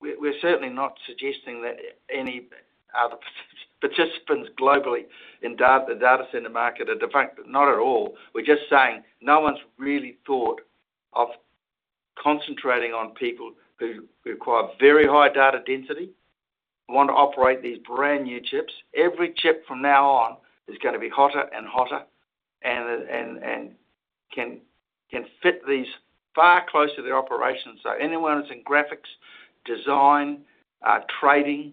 we're certainly not suggesting that any participants globally in the data center market are defunct. Not at all. We're just saying no one's really thought of concentrating on people who require very high data density, want to operate these brand-new chips. Every chip from now on is gonna be hotter and hotter and can fit these far closer to their operations. So anyone that's in graphics, design, trading,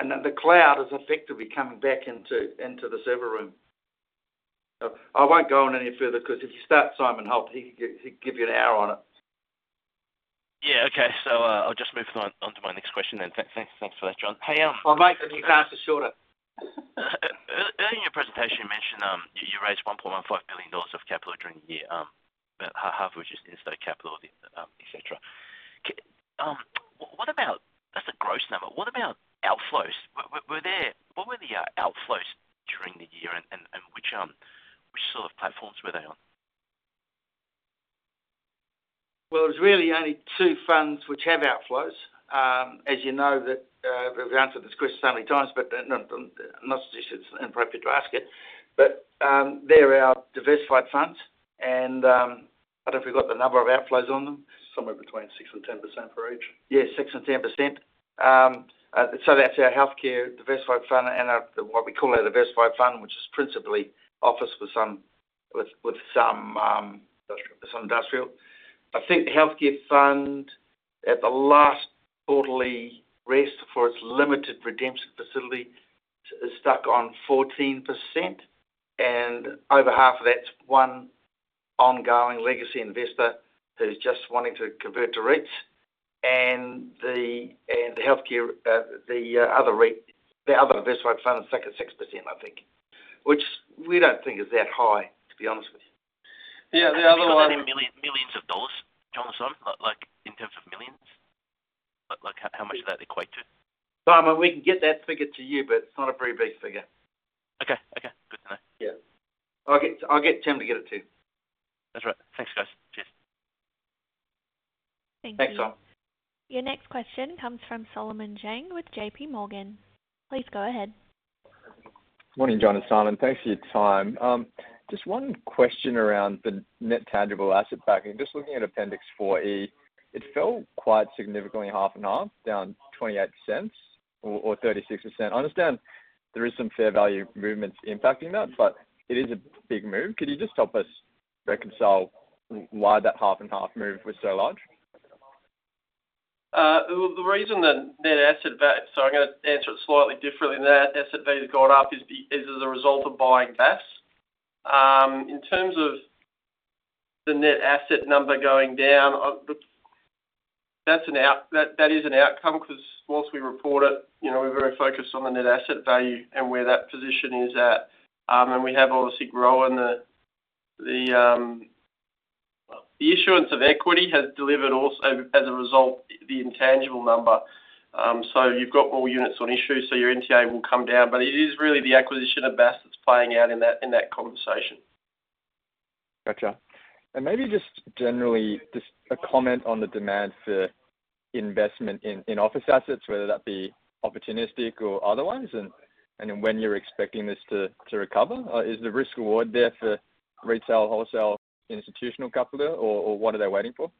and then the cloud is effectively coming back into the server room. So I won't go on any further, 'cause if you start Simon Holt, he could give, he'd give you an hour on it. Yeah. Okay. So, I'll just move on to my next question then. Thanks for that, John. Hey, I'll make them faster, shorter. Early in your presentation, you mentioned you raised 1.15 billion dollars of capital during the year, but half of which is instead of capital, et cetera. What about, that's a gross number, what about outflows? What were the outflows during the year, and which sort of platforms were they on? There's really only two funds which have outflows. As you know, we've answered this question so many times, but not suggesting it's inappropriate to ask it, but they're our diversified funds, and I don't know if we've got the number of outflows on them? Somewhere between 6% and 10% for each. Yeah, 6% and 10%. So that's our healthcare diversified fund and our, what we call our diversified fund, which is principally office with some. Industrial. Some industrial. I think the healthcare fund, at the last quarterly test for its limited redemption facility, is stuck on 14%, and over half of that's one ongoing legacy investor who's just wanting to convert to REITs. And the healthcare, the other REIT, the other diversified fund is stuck at 6%, I think, which we don't think is that high, to be honest with you. Yeah, the other one. Are they millions, millions of dollars, John or Simon? Like, in terms of millions, like, like, how much does that equate to? Simon, we can get that figure to you, but it's not a very big figure. Okay. Okay. Good to know. Yeah. I'll get Tim to get it to you. That's all right. Thanks, guys. Cheers. Thank you. Thanks, Simon. Your next question comes from Solomon Zhang with JPMorgan. Please go ahead. Morning, John and Simon. Thanks for your time. Just one question around the net tangible asset backing. Just looking at Appendix 4E, it fell quite significantly, half and half, down 0.28 or 36%. I understand there is some fair value movements impacting that, but it is a big move. Could you just help us reconcile why that half-and-half move was so large? The reason the net asset value has gone up is as a result of buying Bass. In terms of the net asset number going down, that's an outcome, 'cause whilst we report it, you know, we're very focused on the net asset value and where that position is at. And we have obviously grown the issuance of equity has delivered also, as a result, the intangible number. So you've got more units on issue, so your NTA will come down, but it is really the acquisition of Bass that's playing out in that conversation. Gotcha. And maybe just generally, just a comment on the demand for investment in office assets, whether that be opportunistic or otherwise, and when you're expecting this to recover. Is the risk/reward there for retail, wholesale, institutional capital, or what are they waiting for?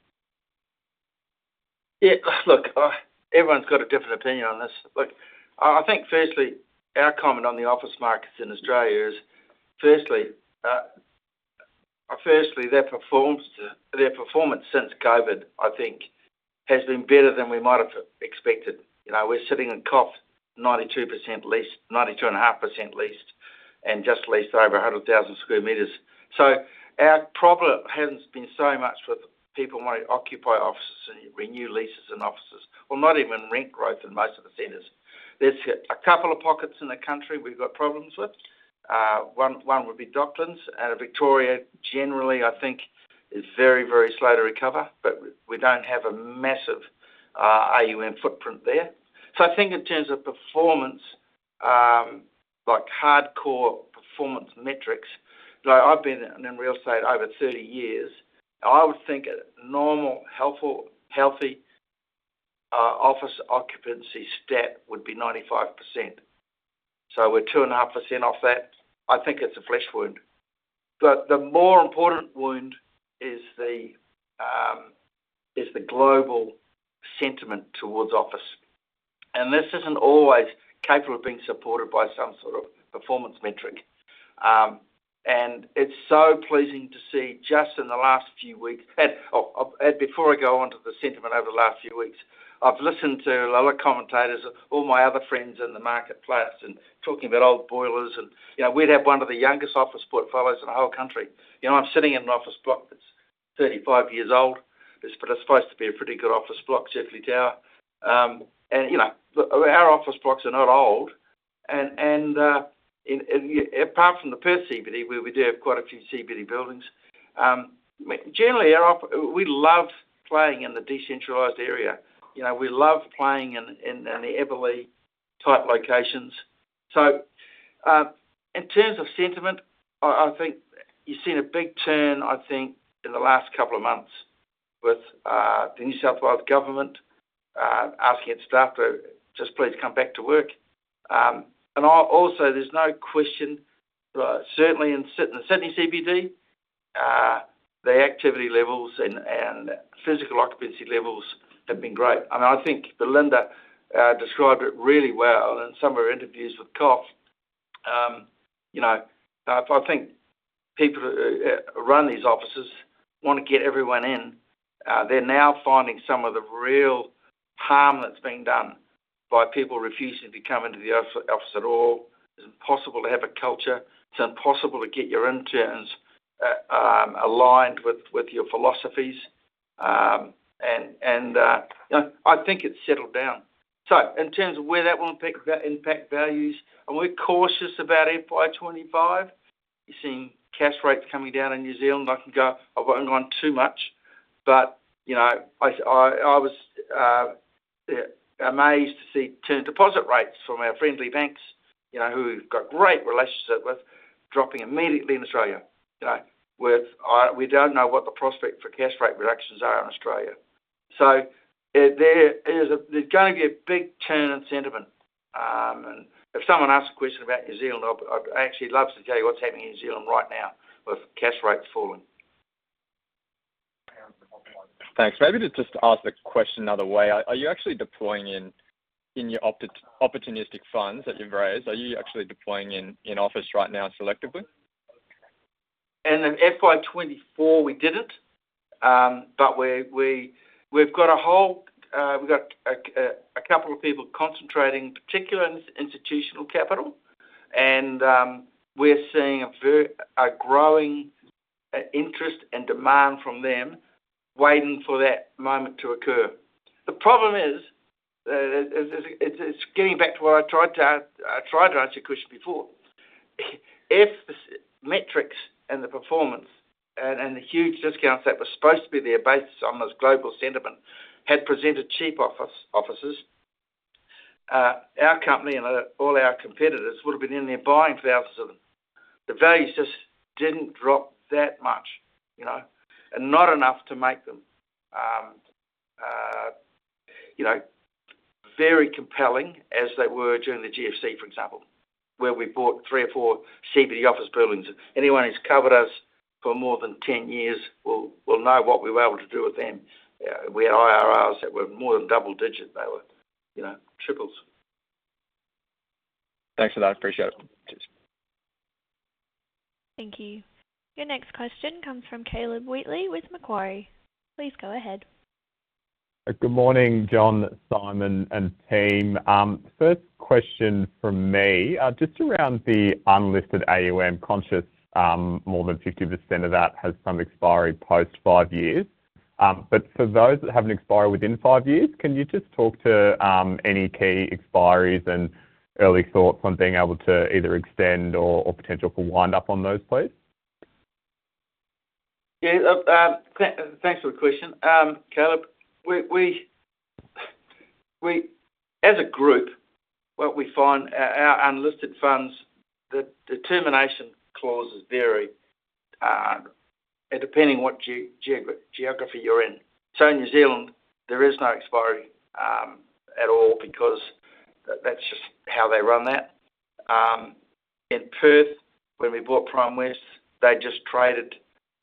Yeah, look, everyone's got a different opinion on this. Look, I think firstly, our comment on the office markets in Australia is, firstly, their performance since COVID, I think, has been better than we might have expected. You know, we're sitting in COF, 92% leased, 92.5% leased, and just leased over 100,000 sq m. So our problem hasn't been so much with people wanting to occupy offices and renew leases in offices, well, not even rent growth in most of the centers. There's a couple of pockets in the country we've got problems with. One would be Docklands, out of Victoria, generally, I think is very, very slow to recover, but we don't have a massive AUM footprint there. So I think in terms of performance, like hardcore performance metrics, like I've been in real estate over 30 years, I would think a normal, healthy, office occupancy stat would be 95%. So we're 2.5% off that. I think it's a flesh wound, but the more important wound is the global sentiment towards office. And this isn't always capable of being supported by some sort of performance metric. And it's so pleasing to see just in the last few weeks, and before I go on to the sentiment over the last few weeks, I've listened to a lot of commentators, all my other friends in the marketplace, and talking about old boilers, and, you know, we'd have one of the youngest office portfolios in the whole country. You know, I'm sitting in an office block that's 35 years old. It's supposed to be a pretty good office block, Chifley Tower. And, you know, our office blocks are not old, and apart from the Perth CBD, where we do have quite a few CBD buildings, generally, we love playing in the decentralized area. You know, we love playing in the Eveleigh-type locations. So, in terms of sentiment, I think you've seen a big turn, I think, in the last couple of months with the New South Wales Government asking its staff to just please come back to work. And also, there's no question, certainly in Sydney, the Sydney CBD, the activity levels and physical occupancy levels have been great. And I think Belinda described it really well in some of her interviews with COF. You know, I think people who run these offices want to get everyone in. They're now finding some of the real harm that's been done by people refusing to come into the office at all. It's impossible to have a culture. It's impossible to get your interns aligned with your philosophies. And you know, I think it's settled down. So in terms of where that will impact values, and we're cautious about FY 2025. You're seeing cash rates coming down in New Zealand. I can go, I won't go on too much, but, you know, I was amazed to see term deposit rates from our friendly banks, you know, who we've got great relationships with, dropping immediately in Australia, you know, with, we don't know what the prospect for cash rate reductions are in Australia. So there is a, there's gonna be a big turn in sentiment, and if someone asks a question about New Zealand, I'll, I'd actually love to tell you what's happening in New Zealand right now with cash rates falling. Thanks. Maybe to just ask the question another way, are you actually deploying in your opportunistic funds that you've raised? Are you actually deploying in office right now, selectively? In the FY 2024, we didn't, but we've got a couple of people concentrating, particularly in institutional capital, and we're seeing a growing interest and demand from them, waiting for that moment to occur. The problem is, it's getting back to what I tried to answer your question before. If the metrics and the performance and the huge discounts that were supposed to be there, based on those global sentiment, had presented cheap offices, our company and all our competitors would've been in there buying thousands of them. The values just didn't drop that much, you know, and not enough to make them, you know, very compelling as they were during the GFC, for example, where we bought three or four CBD office buildings. Anyone who's covered us for more than 10 years will know what we were able to do with them. We had IRRs that were more than double digit. They were, you know, triples. Thanks for that. Appreciate it. Cheers. Thank you. Your next question comes from Caleb Wheatley with Macquarie. Please go ahead. Good morning, John, Simon, and team. First question from me, just around the unlisted AUM growth, more than 50% of that has some expiry post five years. But for those that haven't expired within five years, can you just talk to any key expiries and early thoughts on being able to either extend or potential for wind up on those, please? Yeah. Thanks for the question, Caleb. We as a group, what we find, our unlisted funds, the termination clauses vary, depending on what geography you're in. So in New Zealand, there is no expiry at all, because that's just how they run that. In Perth, when we bought Primewest, they just traded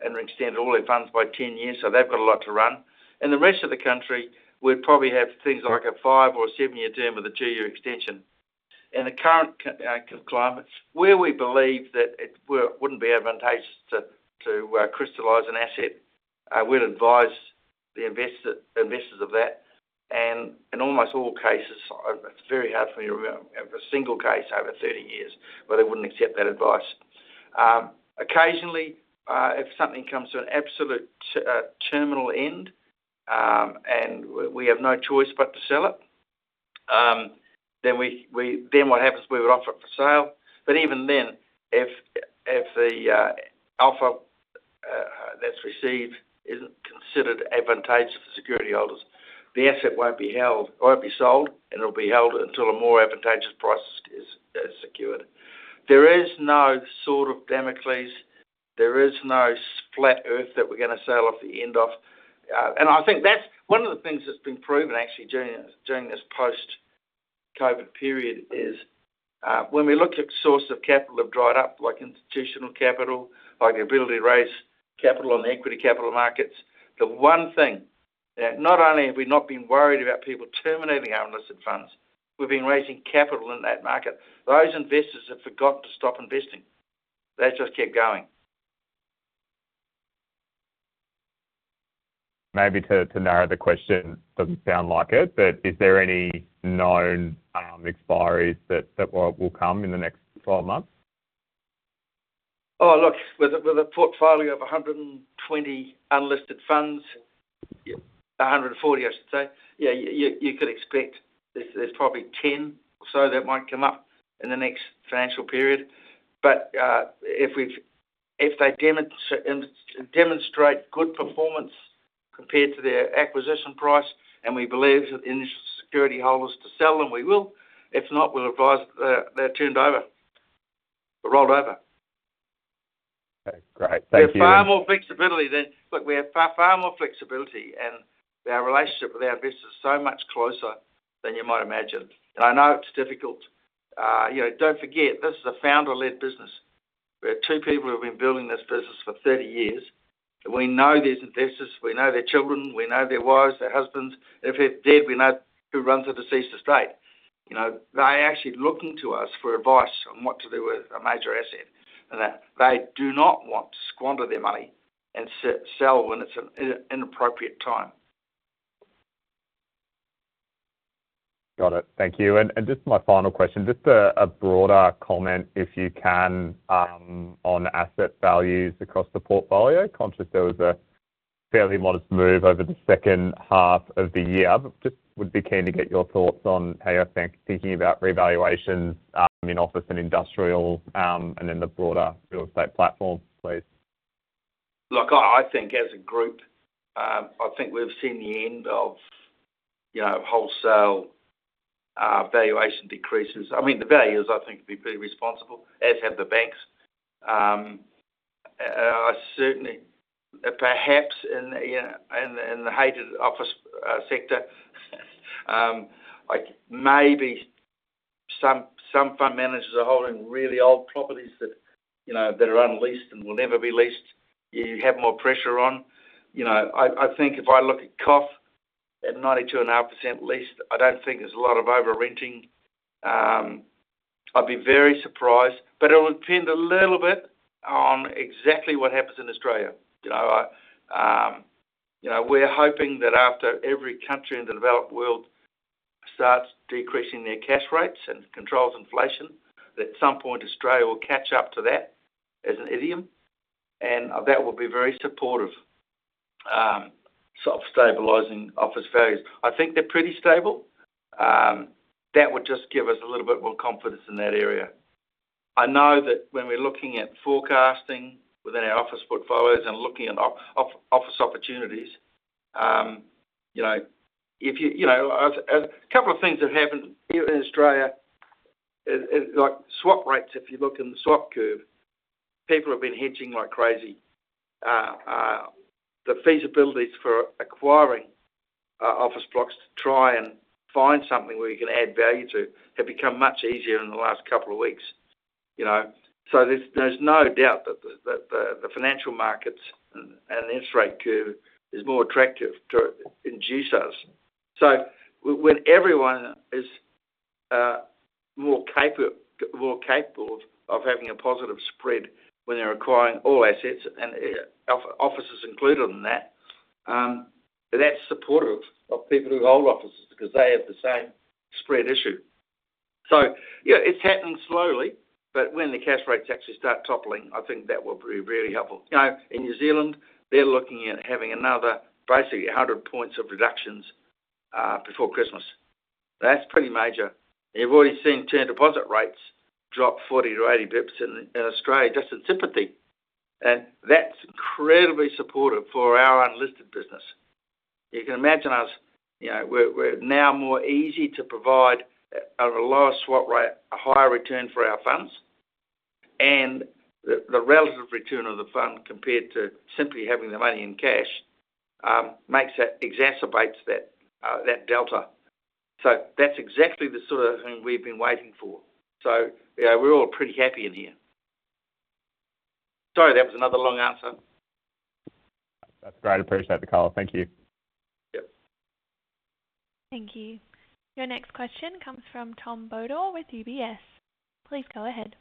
and extended all their funds by 10 years, so they've got a lot to run. In the rest of the country, we'd probably have things like a five- or a seven-year term, with a two-year extension. In the current climate, where we believe that it wouldn't be advantageous to crystallize an asset, we'd advise the investors of that, and in almost all cases, it's very hard for me to remember a single case over thirty years, where they wouldn't accept that advice. Occasionally, if something comes to an absolute terminal end, and we have no choice but to sell it, then what happens is we would offer it for sale. But even then, if the offer that's received isn't considered advantageous for security holders, the asset won't be sold, and it'll be held until a more advantageous price is secured. There is no sword of Damocles, there is no flat Earth that we're gonna sail off the end of, and I think that's one of the things that's been proven actually, during this post-COVID period, is when we looked at sources of capital have dried up, like institutional capital, like the ability to raise capital on the equity capital markets, the one thing. Yeah, not only have we not been worried about people terminating our unlisted funds, we've been raising capital in that market. Those investors have forgotten to stop investing. They just keep going. Maybe to narrow the question, doesn't sound like it, but is there any known expiries that will come in the next 12 months? Oh, look, with a portfolio of 120 unlisted funds, yeah, 140, I should say, yeah, you could expect there's probably 10 or so that might come up in the next financial period. But, if they demonstrate good performance compared to their acquisition price, and we believe that the initial security holders to sell them, we will. If not, we'll advise that they're turned over or rolled over. Okay, great. Thank you. We have far more flexibility than. Look, we have far, far more flexibility, and our relationship with our investors is so much closer than you might imagine. And I know it's difficult. You know, don't forget, this is a founder-led business, where two people have been building this business for 30 years, and we know these investors, we know their children, we know their wives, their husbands. If they're dead, we know who runs the deceased estate. You know, they're actually looking to us for advice on what to do with a major asset, and that they do not want to squander their money and sell when it's an inappropriate time. Got it. Thank you. And just my final question, just a broader comment, if you can, on asset values across the portfolio. Conscious there was a fairly modest move over the second half of the year. But just would be keen to get your thoughts on how you're thinking about revaluations, in office and industrial, and then the broader real estate platform, please. Look, I think as a group, I think we've seen the end of, you know, wholesale valuation decreases. I mean, the valuers, I think, have been pretty responsible, as have the banks. Certainly, perhaps in, yeah, in the hated office sector, like maybe some fund managers are holding really old properties that, you know, that are unleased and will never be leased. You have more pressure on. You know, I think if I look at COF at 92.5% leased, I don't think there's a lot of over-renting. I'd be very surprised, but it'll depend a little bit on exactly what happens in Australia. You know, I, you know, we're hoping that after every country in the developed world starts decreasing their cash rates and controls inflation, that at some point Australia will catch up to that, as an idiom, and that will be very supportive, sort of stabilizing office values. I think they're pretty stable. That would just give us a little bit more confidence in that area. I know that when we're looking at forecasting within our office portfolios and looking at office opportunities, you know, if you, you know, a couple of things have happened here in Australia, is like swap rates, if you look in the swap curve, people have been hedging like crazy. The feasibilities for acquiring office blocks to try and find something where you can add value to have become much easier in the last couple of weeks, you know? So there's no doubt that the financial markets and interest rate curve is more attractive to induce us. So when everyone is more capable of having a positive spread when they're acquiring all assets, and offices included in that, that's supportive of people who hold offices, because they have the same spread issue. So yeah, it's happening slowly, but when the cash rates actually start toppling, I think that will be really helpful. You know, in New Zealand, they're looking at having another basically a hundred points of reductions before Christmas. That's pretty major. You've already seen term deposit rates drop 40-80 basis points in Australia, just in sympathy, and that's incredibly supportive for our unlisted business. You can imagine us, you know, we're now more easy to provide, at a lower swap rate, a higher return for our funds. And the relative return of the fund, compared to simply having the money in cash, makes that exacerbates that delta. So that's exactly the sort of thing we've been waiting for. So yeah, we're all pretty happy in here. Sorry, that was another long answer. That's great. I appreciate the call. Thank you. Yep. Thank you. Your next question comes from Tom Bodor with UBS. Please go ahead.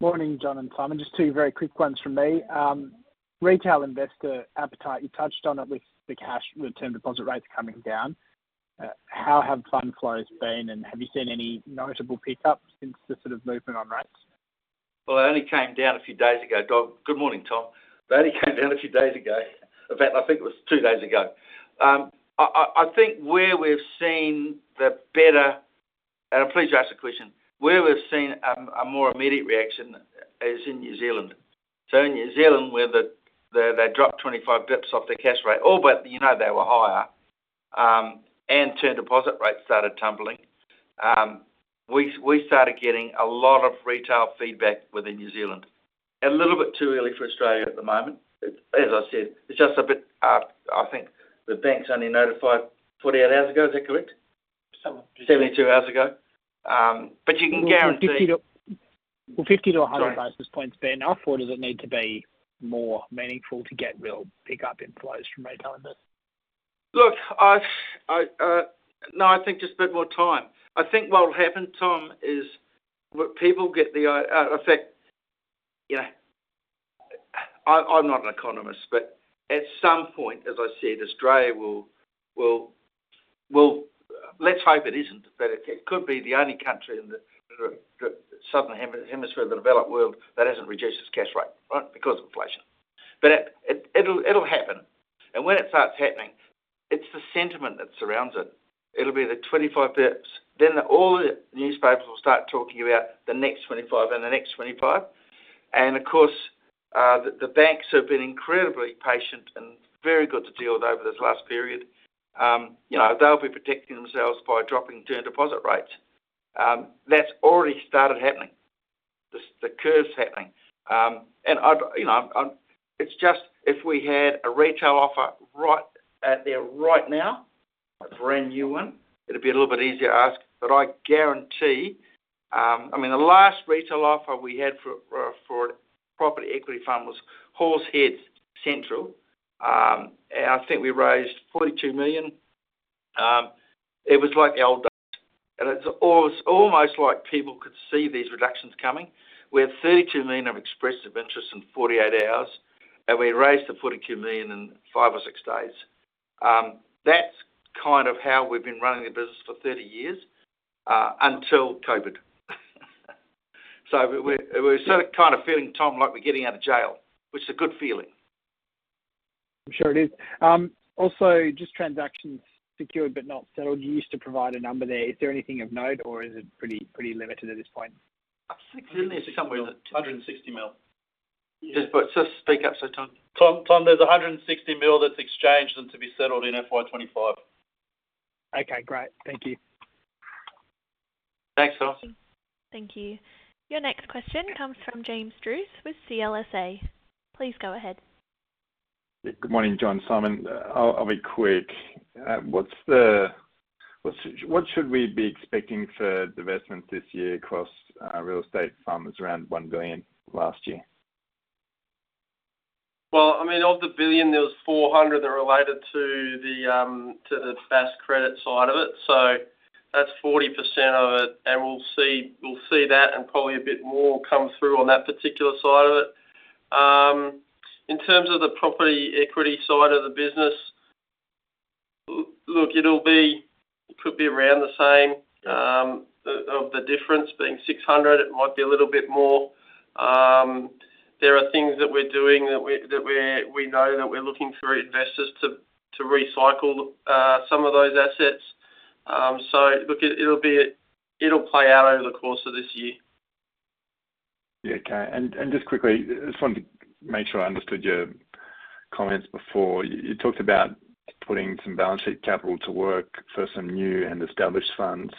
Morning, John and Simon. Just two very quick ones from me. Retail investor appetite, you touched on it with the cash, with term deposit rates coming down. How have fund flows been, and have you seen any notable pickup since the sort of movement on rates? It only came down a few days ago, Tom. Good morning, Tom. It only came down a few days ago. In fact, I think it was two days ago. I think. I'm pleased you asked the question. Where we've seen a more immediate reaction is in New Zealand. In New Zealand, where they dropped 25 basis points off their cash rate, but you know, they were higher, and term deposit rates started tumbling. We started getting a lot of retail feedback within New Zealand. A little bit too early for Australia at the moment. As I said, it's just a bit. I think the banks only notified 48 hours ago. Is that correct? 72 hours ago, but you can guarantee. 50 to, well, 50-100 basis points be enough, or does it need to be more meaningful to get real pickup in flows from retail investors? Look, I think just a bit more time. I think what will happen, Tom, is what people get the idea, in fact, you know, I'm not an economist, but at some point, as I said, Australia will, let's hope it isn't, but it could be the only country in the southern hemisphere, the developed world, that hasn't reduced its cash rate, right? Because of inflation, but it'll happen, and when it starts happening, it's the sentiment that surrounds it. It'll be the 25 pips, then all the newspapers will start talking about the next 25 and the next 25, and of course, the banks have been incredibly patient and very good to deal with over this last period. You know, they'll be protecting themselves by dropping term deposit rates. That's already started happening. The curve's happening. I'd, you know, I'm. It's just if we had a retail offer right there right now, a brand new one, it'd be a little bit easier to ask, but I guarantee. I mean, the last retail offer we had for a property equity fund was Halls Head Central. And I think we raised 42 million. It was like the old days, and it's almost like people could see these reductions coming. We had 32 million of expressed interest in 48 hours, and we raised the 42 million in five or six days. That's kind of how we've been running the business for 30 years until COVID. We're sort of kind of feeling, Tom, like we're getting out of jail, which is a good feeling. I'm sure it is. Also, just transactions secured, but not settled. You used to provide a number there. Is there anything of note, or is it pretty limited at this point? I think somewhere around 160 million. Just speak up so Tom. Tom, Tom, there's 160 million that's exchanged and to be settled in FY 2025. Okay, great. Thank you. Thanks, Tom. Thank you. Your next question comes from James Druce with CLSA. Please go ahead. Yeah. Good morning, John, Simon. I'll be quick. What should we be expecting for divestments this year across real estate firms? Around 1 billion last year. I mean, of the billion, there was 400 that are related to the Bass Credit side of it, so that's 40% of it, and we'll see, we'll see that and probably a bit more come through on that particular side of it. In terms of the property equity side of the business, look, it'll be, could be around the same, of the difference being 600, it might be a little bit more. There are things that we're doing that we know that we're looking through investors to recycle some of those assets. Look, it'll be, it'll play out over the course of this year. Yeah, okay. And just quickly, I just wanted to make sure I understood your comments before. You talked about putting some balance sheet capital to work for some new and established funds.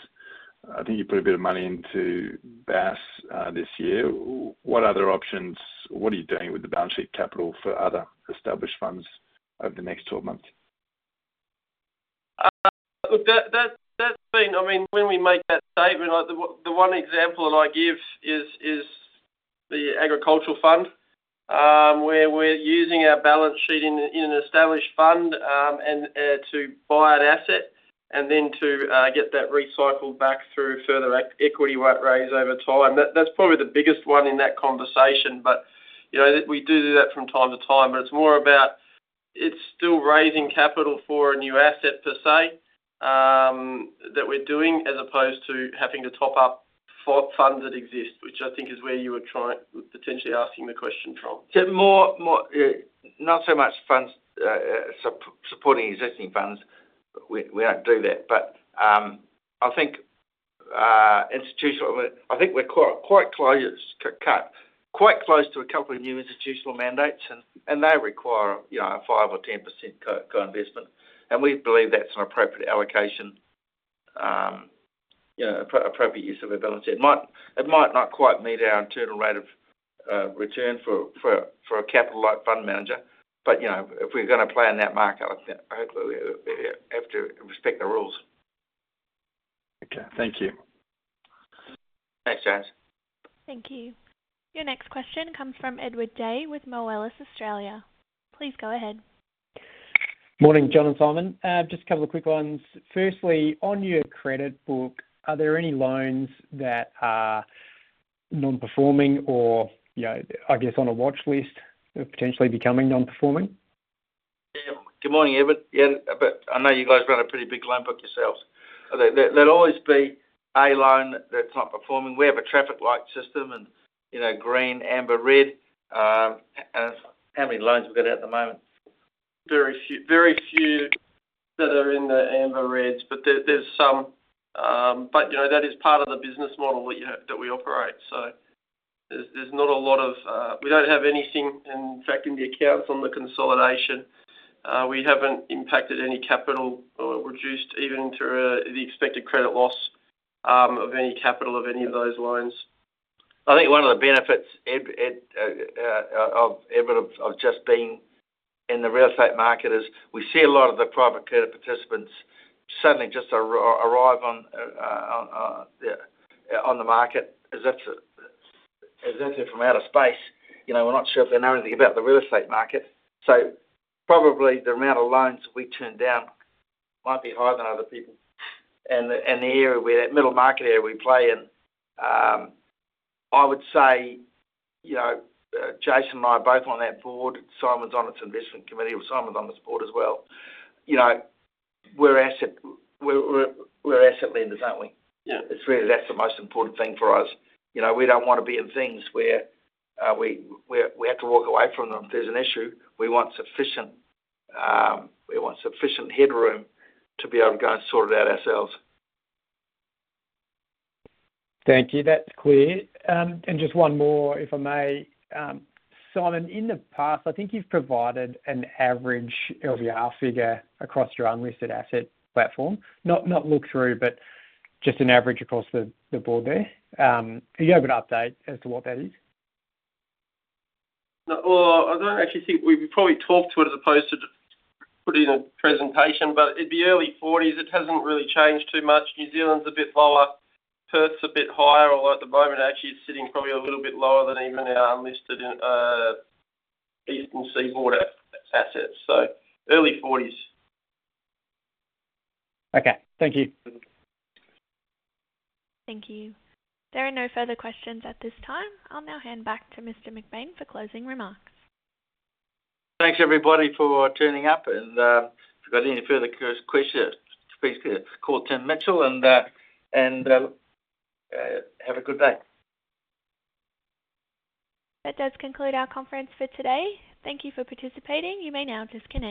I think you put a bit of money into Bass this year. What other options, what are you doing with the balance sheet capital for other established funds over the next 12 months? Look, that's been. I mean, when we make that statement, like the one example that I give is the agricultural fund, where we're using our balance sheet in an established fund and to buy an asset and then to get that recycled back through further equity raise over time. That's probably the biggest one in that conversation, but, you know, we do that from time to time, but it's more about, it's still raising capital for a new asset, per se, that we're doing, as opposed to having to top up for funds that exist, which I think is where you were trying, potentially asking the question from. Yeah, more not so much funds, supporting existing funds. We don't do that, but I think we're quite close to a couple of new institutional mandates, and they require, you know, a 5% or 10% co-investment, and we believe that's an appropriate allocation, you know, appropriate use of our balance sheet. It might not quite meet our internal rate of return for a capital-light fund manager, but, you know, if we're gonna play in that market, I think hopefully we have to respect the rules. Okay, thank you. Thanks, James. Thank you. Your next question comes from Edward Day with Moelis Australia. Please go ahead. Morning, John and Simon. Just a couple of quick ones. Firstly, on your credit book, are there any loans that are non-performing or, you know, I guess, on a watch list of potentially becoming non-performing? Yeah. Good morning, Edward. Yeah, but I know you guys run a pretty big loan book yourselves. There'll always be a loan that's not performing. We have a traffic light system and, you know, green, amber, red, and how many loans we've got out at the moment? Very few, very few that are in the amber, reds, but there, there's some, but you know, that is part of the business model we have, that we operate, so there's not a lot of. We don't have anything, in fact, in the accounts on the consolidation. We haven't impacted any capital or reduced even through the expected credit loss of any capital of any of those loans. I think one of the benefits, Ed, Edward, of just being in the real estate market is we see a lot of the private credit participants suddenly just arrive on the market as if they're from outer space. You know, we're not sure if they know anything about the real estate market. So probably the amount of loans that we turn down might be higher than other people. And the area where that middle market area we play in, I would say, you know, Jason and I are both on that board. Simon's on its investment committee. Well, Simon's on this board as well. You know, we're asset lenders, aren't we? Yeah. It's really, that's the most important thing for us. You know, we don't wanna be in things where we have to walk away from them if there's an issue. We want sufficient headroom to be able to go and sort it out ourselves. Thank you. That's clear. And just one more, if I may. Simon, in the past, I think you've provided an average LVR figure across your unlisted asset platform. Not, not look through, but just an average across the, the board there. Are you able to update as to what that is? I don't actually think we've probably talked to it as opposed to just put in a presentation, but it'd be early 40s. It hasn't really changed too much. New Zealand's a bit lower, Perth's a bit higher, although at the moment, actually, it's sitting probably a little bit lower than even our unlisted, Eastern Seaboard assets, so early 40s. Okay. Thank you. Thank you. There are no further questions at this time. I'll now hand back to Mr. McBain for closing remarks. Thanks, everybody, for tuning up, and if you've got any further questions, please call Tim Mitchell, and have a good day. That does conclude our conference for today. Thank you for participating. You may now disconnect.